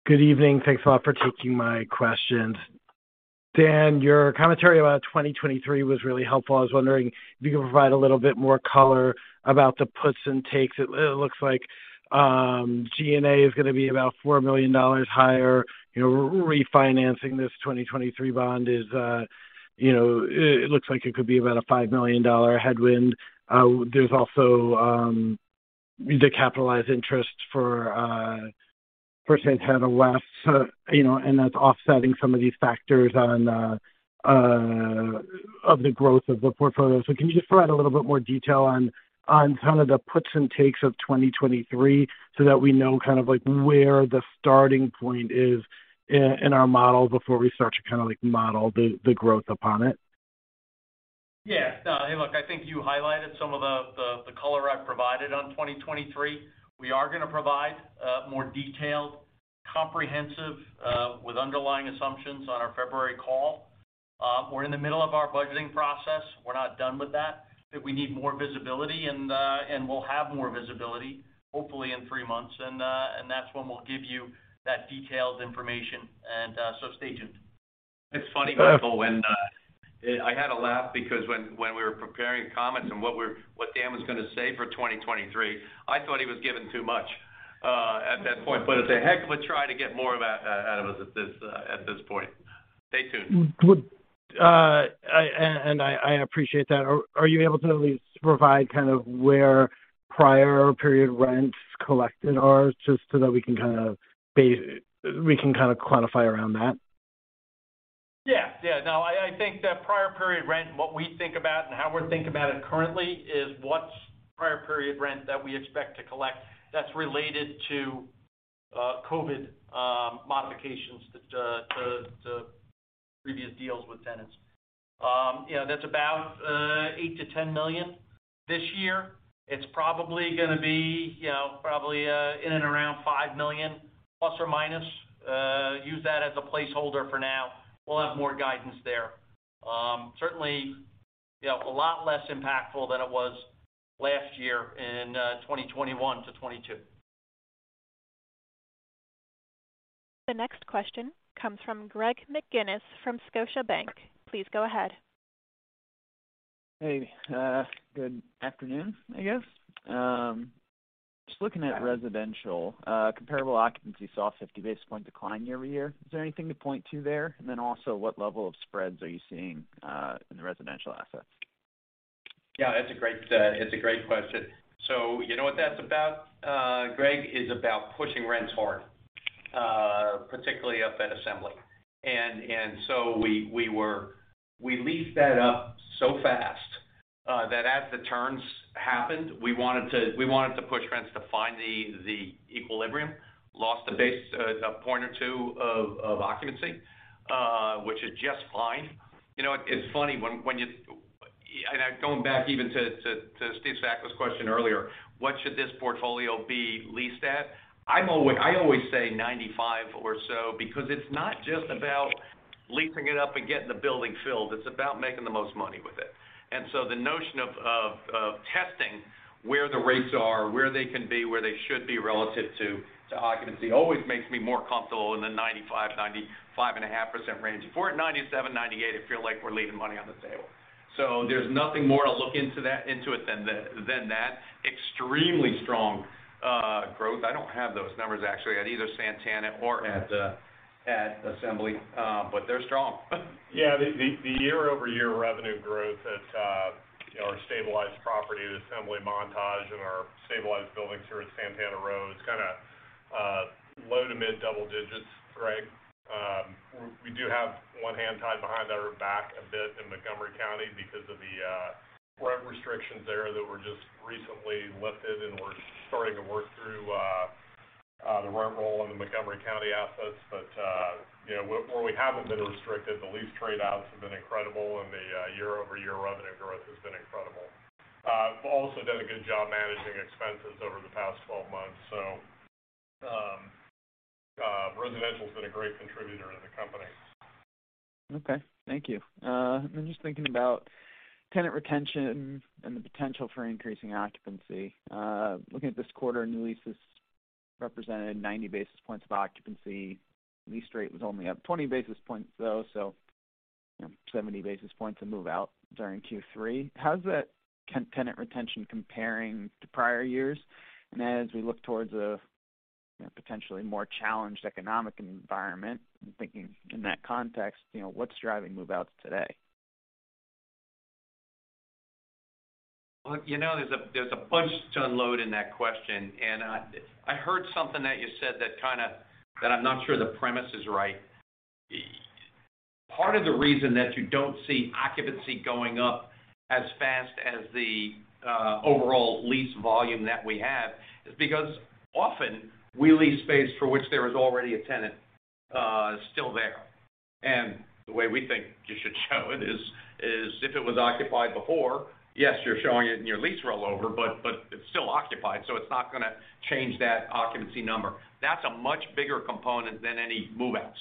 Good evening. Thanks a lot for taking my questions. Dan, your commentary about 2023 was really helpful. I was wondering if you could provide a little bit more color about the puts and takes. It looks like G&A is gonna be about $4 million higher, you know, refinancing this 2023 bond is, you know, it looks like it could be about a $5 million headwind. There's also the capitalized interest for Santana West, you know, and that's offsetting some of these factors of the growth of the portfolio. Can you just provide a little bit more detail on some of the puts and takes of 2023 so that we know kind of like where the starting point is in our model before we start to kinda like model the growth upon it? Yeah. No. Hey, look, I think you highlighted some of the color I've provided on 2023. We are gonna provide more detailed, comprehensive with underlying assumptions on our February call. We're in the middle of our budgeting process. We're not done with that, but we need more visibility and we'll have more visibility hopefully in three months, and that's when we'll give you that detailed information. Stay tuned. It's funny, Michael, when I had a laugh because when we were preparing comments and what Dan was gonna say for 2023, I thought he was given too much at that point. It's a heck of a try to get more of that out of us at this point. Stay tuned. I appreciate that. Are you able to at least provide kind of where prior period rents collected are just so that we can kind of quantify around that? I think that prior period rent, what we think about and how we're thinking about it currently is what's prior period rent that we expect to collect that's related to COVID modifications to previous deals with tenants. You know, that's about $8 million-$10 million this year. It's probably gonna be, you know, probably in and around $5 million±. Use that as a placeholder for now. We'll have more guidance there. Certainly, you know, a lot less impactful than it was last year in 2021-2022. The next question comes from Greg McGinnis from Scotiabank. Please go ahead. Good afternoon, I guess. Just looking at residential, comparable occupancy saw 50 basis point decline year-over-year. Is there anything to point to there? What level of spreads are you seeing in the residential assets? Yeah, it's a great question. So you know what that's about, Greg, is about pushing rents hard, particularly up at Assembly. We leased that up so fast that as the turns happened, we wanted to push rents to find the equilibrium, lost basically a point or two of occupancy, which is just fine. You know, it's funny, going back even to Steve Sakwa question earlier, what should this portfolio be leased at? I always say 95% or so because it's not just about leasing it up and getting the building filled, it's about making the most money with it. The notion of testing where the rates are, where they can be, where they should be relative to occupancy always makes me more comfortable in the 95%-95.5% range. Before at 97, 98, it feel like we're leaving money on the table. There's nothing more to look into it than that extremely strong growth. I don't have those numbers actually at either Santana or at Assembly, but they're strong. Yeah. The year-over-year revenue growth at, you know, our stabilized properties, Assembly, Montage and our stabilized buildings here at Santana Row is kinda low to mid double digits, Greg. We do have one hand tied behind our back a bit in Montgomery County because of the rent restrictions there that were just recently lifted, and we're starting to work through the rent roll in the Montgomery County assets. You know, where we haven't been restricted, the lease trade outs have been incredible and the year-over-year revenue growth has been incredible. We've also done a good job managing expenses over the past 12 months. Residential's been a great contributor in the company. Okay. Thank you. I'm just thinking about tenant retention and the potential for increasing occupancy. Looking at this quarter, new leases represented 90 basis points of occupancy. Lease rate was only up 20 basis points though, so you know, 70 basis points of move-out during Q3. How's that tenant retention comparing to prior years? As we look towards a you know, potentially more challenged economic environment, I'm thinking in that context, you know, what's driving move-outs today? Look, you know, there's a bunch to unload in that question, and I heard something that you said that kinda that I'm not sure the premise is right. Part of the reason that you don't see occupancy going up as fast as the overall lease volume that we have is because often we lease space for which there is already a tenant still there. The way we think you should show it is if it was occupied before, yes, you're showing it in your lease rollover, but it's still occupied, so it's not gonna change that occupancy number. That's a much bigger component than any move-outs.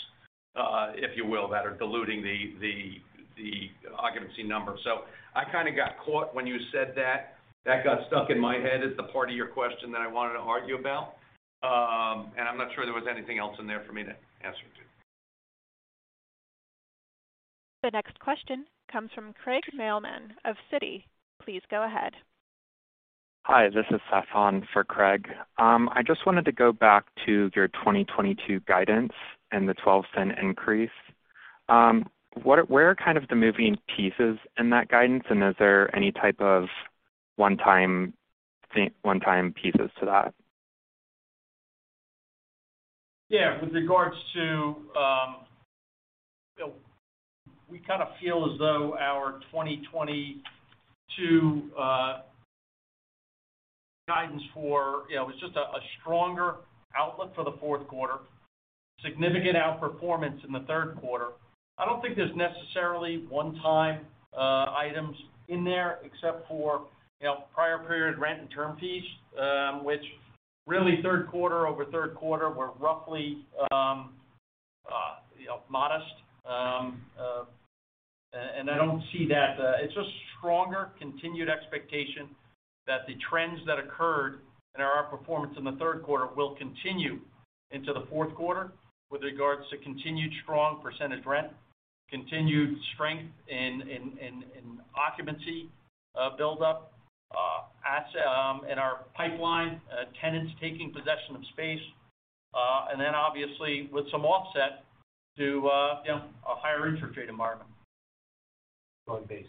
if you will, that are diluting the occupancy numbers. I kinda got caught when you said that. That got stuck in my head as the part of your question that I wanted to argue about. I'm not sure there was anything else in there for me to answer to. The next question comes from Craig Mailman of Citi. Please go ahead. Hi, this is Seth for Craig. I just wanted to go back to your 2022 guidance and the $0.12 increase. Where are kind of the moving pieces in that guidance, and is there any type of one-time pieces to that? Yeah. With regards to, we kinda feel as though our 2022 guidance for, it's just a stronger outlook for the fourth quarter, significant outperformance in the third quarter. I don't think there's necessarily one-time items in there except for prior period rent and term fees, which really third quarter-over-quarter were roughly modest. I don't see that. It's just stronger continued expectation that the trends that occurred in our outperformance in the third quarter will continue into the fourth quarter with regards to continued strong percentage rent, continued strength in occupancy build-up in our pipeline, tenants taking possession of space. Then obviously with some offset to a higher interest rate environment. Going base.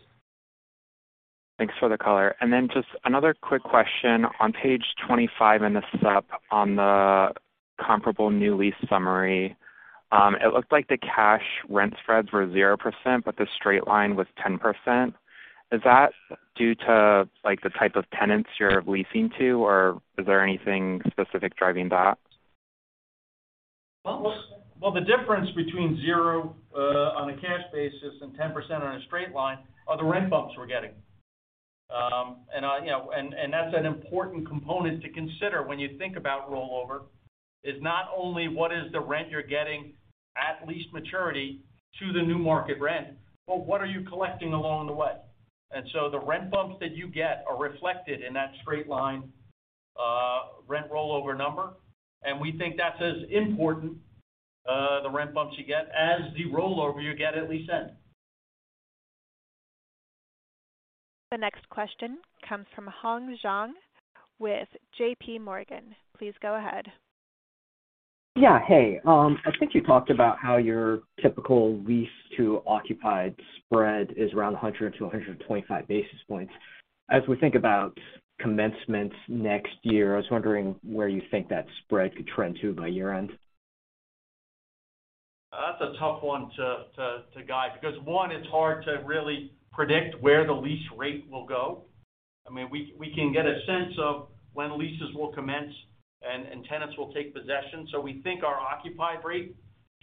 Thanks for the color. Just another quick question. On page 25 in the sup on the comparable new lease summary, it looked like the cash rent spreads were 0%, but the straight line was 10%. Is that due to, like, the type of tenants you're leasing to, or is there anything specific driving that? Well, the difference between zero on a cash basis and 10% on a straight line are the rent bumps we're getting. You know, that's an important component to consider when you think about rollover, is not only what is the rent you're getting at lease maturity to the new market rent, but what are you collecting along the way. The rent bumps that you get are reflected in that straight line rent rollover number, and we think that's as important, the rent bumps you get, as the rollover you get at lease end. The next question comes from Hong Zhang with J.P. Morgan. Please go ahead. Hey, I think you talked about how your typical lease to occupied spread is around 100 basis points-125 basis points. As we think about commencements next year, I was wondering where you think that spread could trend to by year-end. That's a tough one to guide, because one, it's hard to really predict where the lease rate will go. I mean, we can get a sense of when leases will commence and tenants will take possession. We think our occupied rate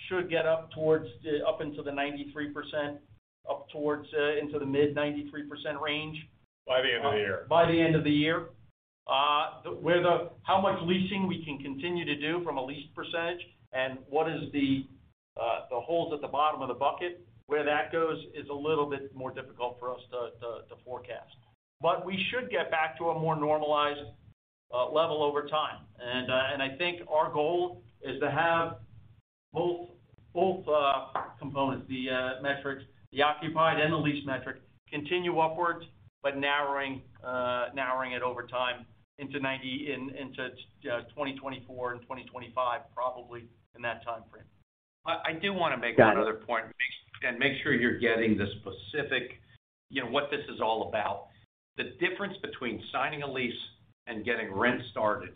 should get up towards the, up into the 93%, up towards into the mid-93% range. By the end of the year. By the end of the year, where how much leasing we can continue to do from a lease percentage and what is the holes at the bottom of the bucket, where that goes is a little bit more difficult for us to forecast. We should get back to a more normalized level over time. I think our goal is to have both components, the metrics, the occupancy and the leased metric continue upwards, but narrowing it over time into 90% in 2024 and 2025, probably in that timeframe. I do wanna make one other point. Got it. Make sure you're getting the specific, you know, what this is all about. The difference between signing a lease and getting rent started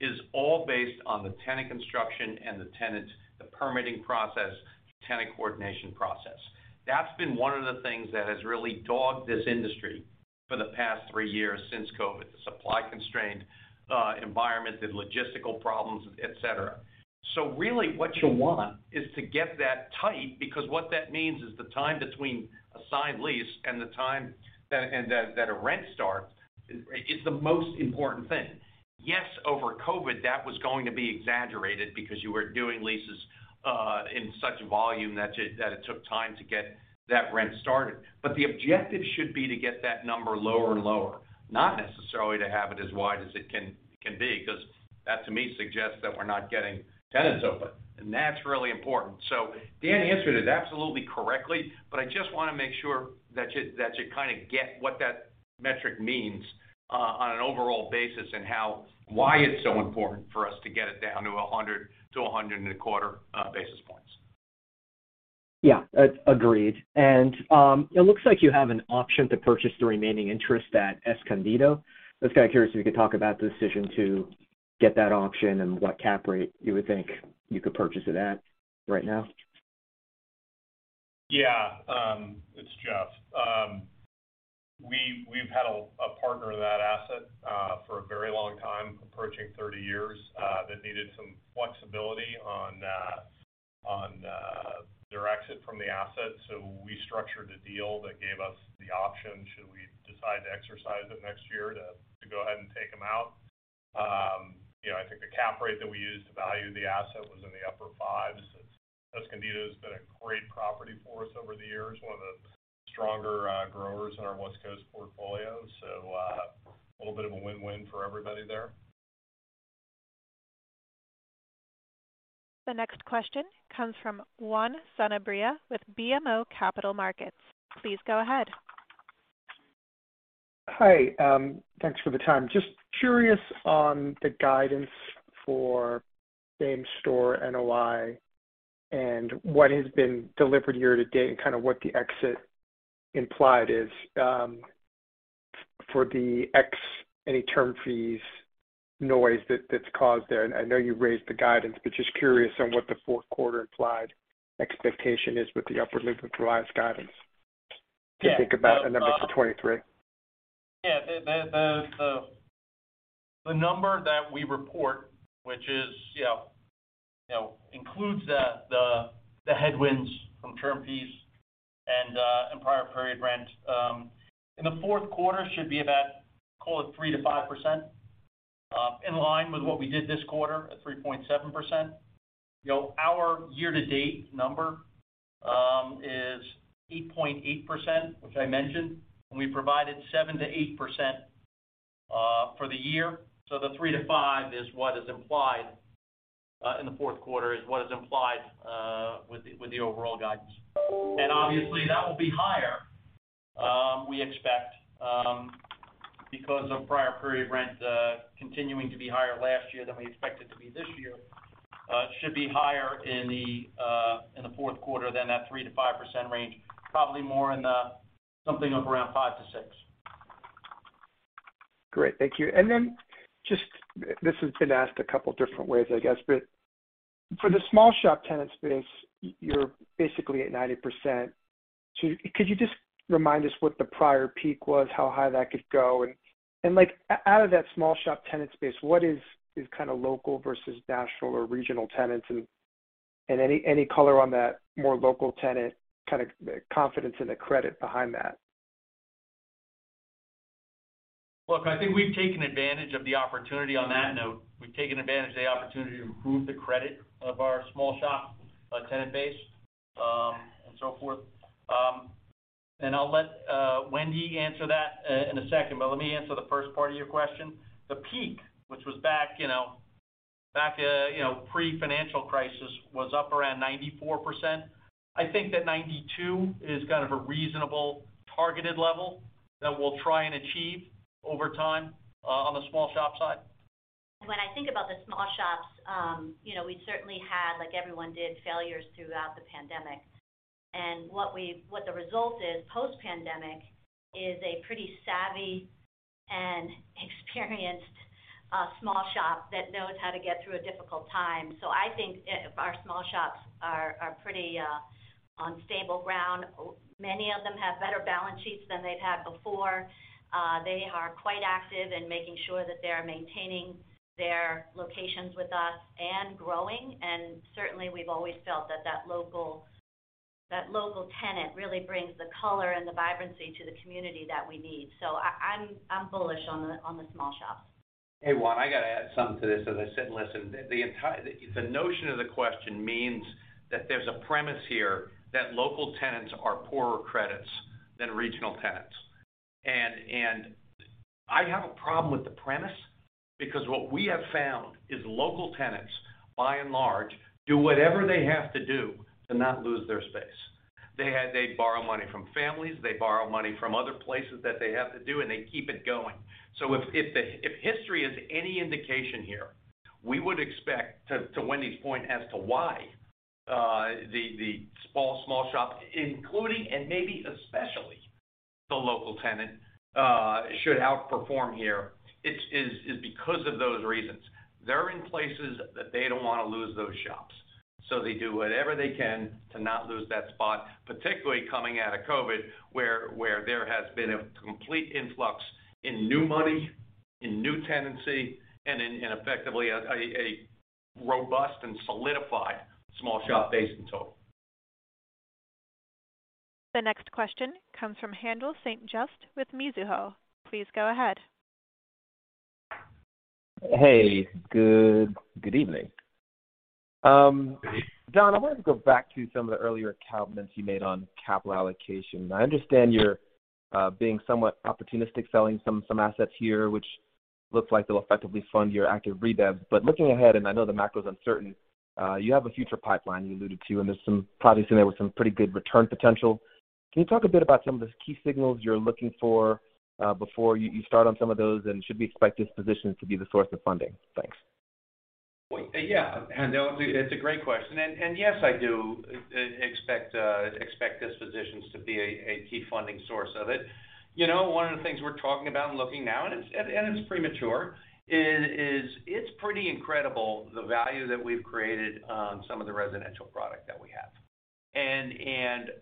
is all based on the tenant construction and the tenant, the permitting process, the tenant coordination process. That's been one of the things that has really dogged this industry for the past three years since COVID. The supply-constrained environment, the logistical problems, et cetera. Really what you want is to get that tight, because what that means is the time between a signed lease and the time that a rent starts is the most important thing. Yes, over COVID, that was going to be exaggerated because you were doing leases in such volume that it took time to get that rent started. The objective should be to get that number lower and lower, not necessarily to have it as wide as it can, it can be, 'cause that to me suggests that we're not getting tenants over, and that's really important. Dan answered it absolutely correctly, but I just wanna make sure that you kinda get what that metric means on an overall basis and why it's so important for us to get it down to 100-100.25 basis points. Yeah. Agreed. It looks like you have an option to purchase the remaining interest at Escondido. Just kinda curious if you could talk about the decision to get that option and what cap rate you would think you could purchase it at right now. Yeah. It's Jeff. We've had a partner in that asset for a very long time, approaching 30 years, that needed some flexibility on their exit from the asset. We structured a deal that gave us the option, should we decide to exercise it next year, to go ahead and take them out. You know, I think the cap rate that we used to value the asset was in the upper fives. Escondido has been a great property for us over the years, one of the stronger growers in our West Coast portfolio. A little bit of a win-win for everybody there. The next question comes from Juan Sanabria with BMO Capital Markets. Please go ahead. Hi, thanks for the time. Just curious on the guidance for same-store NOI and what has been delivered year-to-date and kind of what the exit implied is, for the ex-ancillary term fees noise that's caused there. I know you raised the guidance, but just curious on what the fourth quarter implied expectation is with the upward movement for last guidance? Yeah. to think about the numbers for 2023. Yeah. The number that we report, which is, you know, includes the headwinds from term fees and prior period rent in the fourth quarter should be about, call it 3%-5%, in line with what we did this quarter at 3.7%. You know, our year-to-date number is 8.8%, which I mentioned, and we provided 7%-8% for the year. So the 3%-5% is what is implied in the fourth quarter with the overall guidance. Obviously, that will be higher, we expect, because of prior period rent continuing to be higher last year than we expect it to be this year. It should be higher in the fourth quarter than that 3%-5% range, probably more in the something up around 5%-6%. Great. Thank you. Just this has been asked a couple different ways, I guess, but for the small shop tenant space, you're basically at 90%. Could you just remind us what the prior peak was, how high that could go? And like out of that small shop tenant space, what is kind of local versus national or regional tenants? And any color on that more local tenant kind of the confidence in the credit behind that. Look, I think we've taken advantage of the opportunity on that note. We've taken advantage of the opportunity to improve the credit of our small shop tenant base and so forth. I'll let Wendy answer that in a second, but let me answer the first part of your question. The peak, which was back, you know, pre-financial crisis, was up around 94%. I think that 92% is kind of a reasonable targeted level that we'll try and achieve over time on the small shop side. When I think about the small shops, you know, we certainly had, like everyone did, failures throughout the pandemic. What the result is post-pandemic is a pretty savvy and experienced small shop that knows how to get through a difficult time. I think that our small shops are pretty on stable ground. Many of them have better balance sheets than they've had before. They are quite active in making sure that they're maintaining their locations with us and growing. Certainly, we've always felt that local tenant really brings the color and the vibrancy to the community that we need. I'm bullish on the small shops. Hey, Juan, I got to add something to this as I sit and listen. The entire notion of the question means that there's a premise here that local tenants are poorer credits than regional tenants. I have a problem with the premise because what we have found is local tenants, by and large, do whatever they have to do to not lose their space. They borrow money from families, they borrow money from other places that they have to do, and they keep it going. If history is any indication here, we would expect to Wendy's point as to why the small shop, including and maybe especially the local tenant, should outperform here, it is because of those reasons. They're in places that they don't wanna lose those shops. They do whatever they can to not lose that spot, particularly coming out of COVID, where there has been a complete influx in new money, in new tenancy, and effectively a robust and solidified small shop base in total. The next question comes from Haendel St. Juste with Mizuho. Please go ahead. Hey, good evening. Don, I wanted to go back to some of the earlier comments you made on capital allocation. I understand you're being somewhat opportunistic selling some assets here, which looks like they'll effectively fund your active redev. Looking ahead, and I know the macro is uncertain, you have a future pipeline you alluded to, and there's some properties in there with some pretty good return potential. Can you talk a bit about some of the key signals you're looking for before you start on some of those? Should we expect dispositions to be the source of funding? Thanks. Yeah, Haendel, it's a great question. Yes, I do expect dispositions to be a key funding source of it. You know, one of the things we're talking about and looking now, and it's premature, is it's pretty incredible the value that we've created on some of the residential product that we have.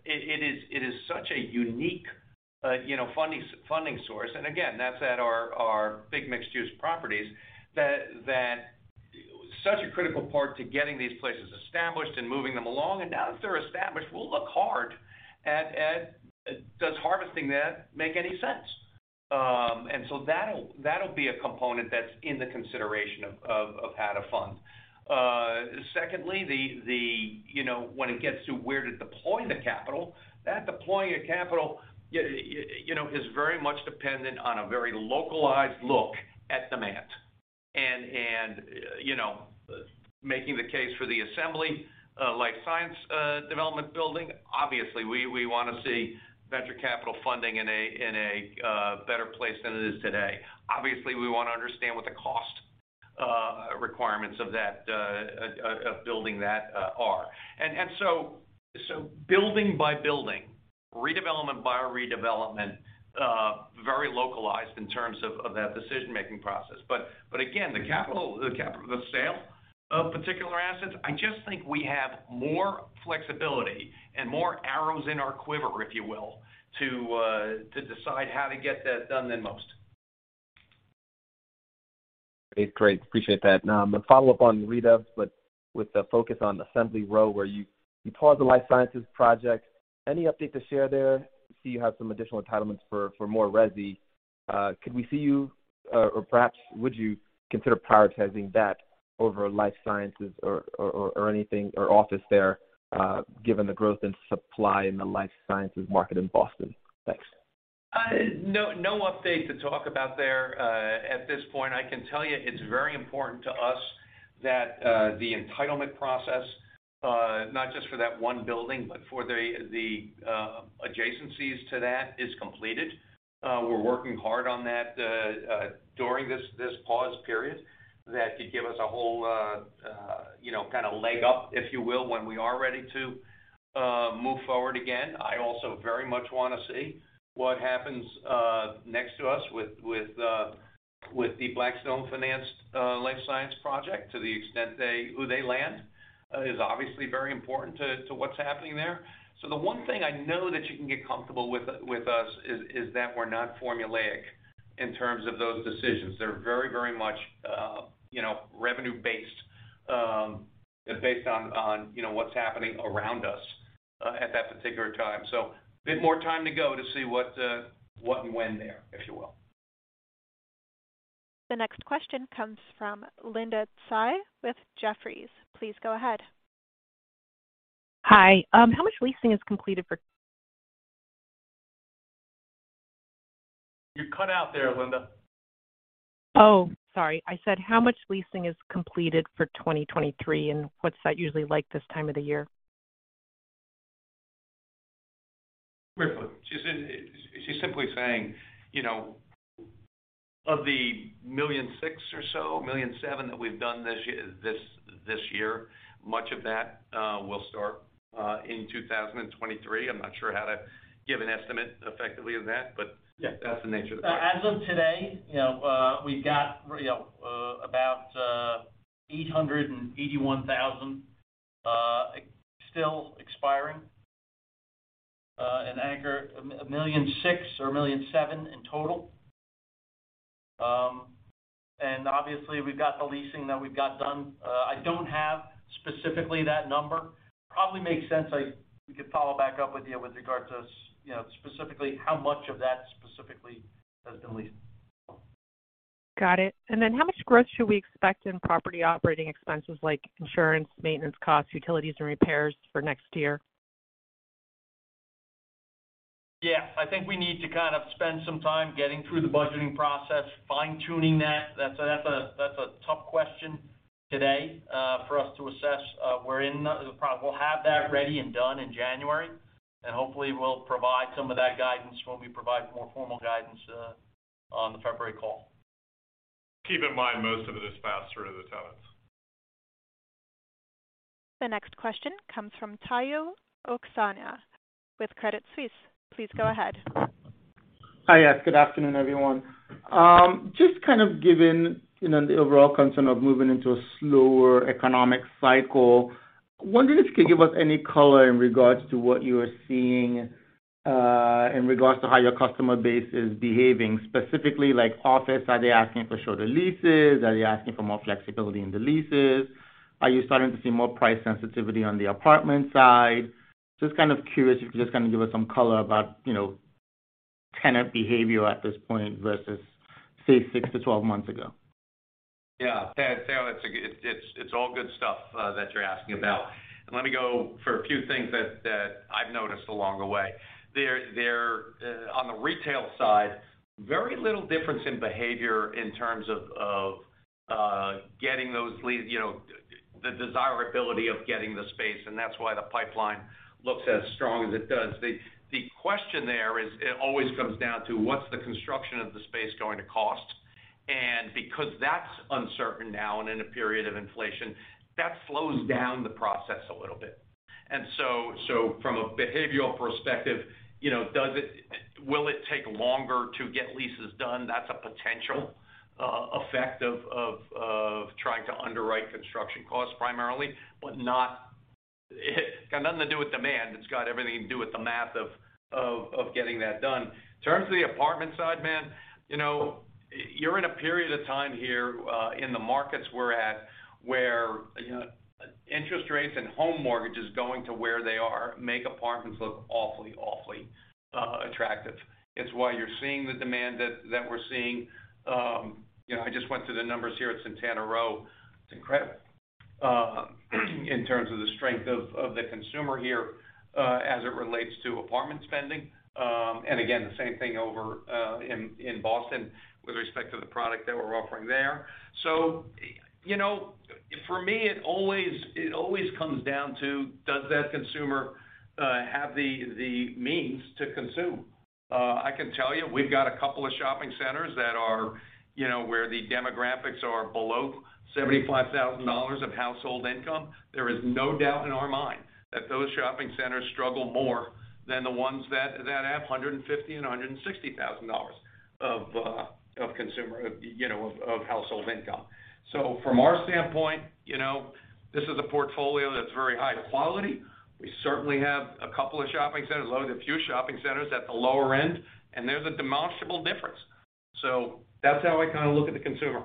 It is such a unique, you know, funding source, and again, that's at our big mixed-use properties, that such a critical part to getting these places established and moving them along. Now that they're established, we'll look hard at does harvesting that make any sense? That'll be a component that's in the consideration of how to fund. Secondly, you know, when it gets to where to deploy the capital, that deploying of capital, you know, is very much dependent on a very localized look at demand. You know, making the case for the Assembly life science development building, obviously, we wanna see venture capital funding in a better place than it is today. Obviously, we wanna understand what the cost requirements of that building that are. Building by building, redevelopment by redevelopment, very localized in terms of that decision-making process. Again, the capital, the sale of particular assets, I just think we have more flexibility and more arrows in our quiver, if you will, to decide how to get that done than most. Great. Appreciate that. I'm gonna follow up on redev, but with the focus on Assembly Row, where you paused the life sciences project. Any update to share there? I see you have some additional entitlements for more resi. Could we see you, or perhaps would you consider prioritizing that over life sciences or office there, given the growth in supply in the life sciences market in Boston? Thanks. No update to talk about there, at this point. I can tell you it's very important to us that the entitlement process, not just for that one building, but for the adjacencies to that, is completed. We're working hard on that during this pause period that could give us a whole, you know, kinda leg up, if you will, when we are ready to move forward again. I also very much wanna see what happens next to us with the Blackstone-financed life science project to the extent who they land is obviously very important to what's happening there. The one thing I know that you can get comfortable with us is that we're not formulaic in terms of those decisions. They're very, very much, you know, revenue based on, you know, what's happening around us, at that particular time. A bit more time to go to see what and when there, if you will. The next question comes from Linda Tsai with Jefferies. Please go ahead. Hi. How much leasing is completed for- You cut out there, Linda. Oh, sorry. I said, how much leasing is completed for 2023, and what's that usually like this time of the year? She's simply saying, you know, of the $1.6 million or so, $1.7 million that we've done this year, much of that will start in 2023. I'm not sure how to give an estimate effectively of that, but. Yeah. That's the nature of the beast. As of today, you know, we've got, you know, about 881,000 still expiring, and another 1.6 million or 1.7 million in total. Obviously, we've got the leasing that we've got done. I don't have specifically that number. Probably makes sense, we could follow up with you with regards to, you know, specifically how much of that specifically has been leased. Got it. How much growth should we expect in property operating expenses like insurance, maintenance costs, utilities, and repairs for next year? Yeah. I think we need to kind of spend some time getting through the budgeting process, fine-tuning that. That's a tough question today, for us to assess. We'll have that ready and done in January, and hopefully, we'll provide some of that guidance when we provide more formal guidance, on the February call. Keep in mind, most of it is passed through to the tenants. The next question comes from Omotayo Okusanya with Credit Suisse. Please go ahead. Hi. Yes, good afternoon, everyone. Just kind of given, you know, the overall concern of moving into a slower economic cycle, wondering if you could give us any color in regards to what you are seeing, in regards to how your customer base is behaving. Specifically, like office, are they asking for shorter leases? Are they asking for more flexibility in the leases? Are you starting to see more price sensitivity on the apartment side? Just kind of curious if you can just kind of give us some color about, you know, tenant behavior at this point versus, say, six to 12 months ago. Yeah. Tayo, it's all good stuff that you're asking about. Let me go over a few things that I've noticed along the way. On the retail side, very little difference in behavior in terms of getting those leases, you know, the desirability of getting the space, and that's why the pipeline looks as strong as it does. The question there is, it always comes down to what's the construction of the space going to cost. Because that's uncertain now and in a period of inflation, that slows down the process a little bit. From a behavioral perspective, you know, will it take longer to get leases done? That's a potential effect of trying to underwrite construction costs primarily, but not. It's got nothing to do with demand. It's got everything to do with the math of getting that done. In terms of the apartment side, man, you know, you're in a period of time here in the markets we're at where, you know, interest rates and home mortgages going to where they are make apartments look awfully attractive. It's why you're seeing the demand that we're seeing. You know, I just went through the numbers here at Santana Row. It's incredible in terms of the strength of the consumer here as it relates to apartment spending. Again, the same thing over in Boston with respect to the product that we're offering there. You know, for me, it always comes down to, does that consumer have the means to consume? I can tell you, we've got a couple of shopping centers that are, you know, where the demographics are below $75,000 of household income. There is no doubt in our mind that those shopping centers struggle more than the ones that have $150,000 and $160,000 of household income. From our standpoint, you know, this is a portfolio that's very high quality. We certainly have a couple of shopping centers, relatively few shopping centers at the lower end, and there's a demonstrable difference. That's how I kind of look at the consumer.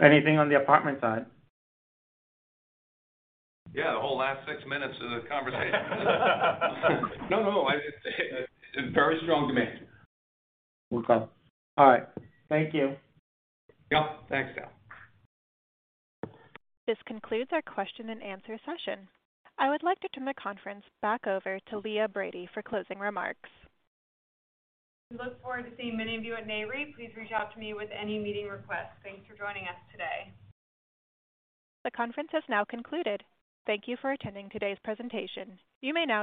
Anything on the apartment side? Yeah. The whole last six minutes of the conversation. No, no. It's very strong demand. Okay. All right. Thank you. Yep. Thanks, Tayo. This concludes our question and answer session. I would like to turn the conference back over to Leah Brady for closing remarks. We look forward to seeing many of you at Nareit. Please reach out to me with any meeting requests. Thanks for joining us today. The conference has now concluded. Thank you for attending today's presentation. You may now disconnect.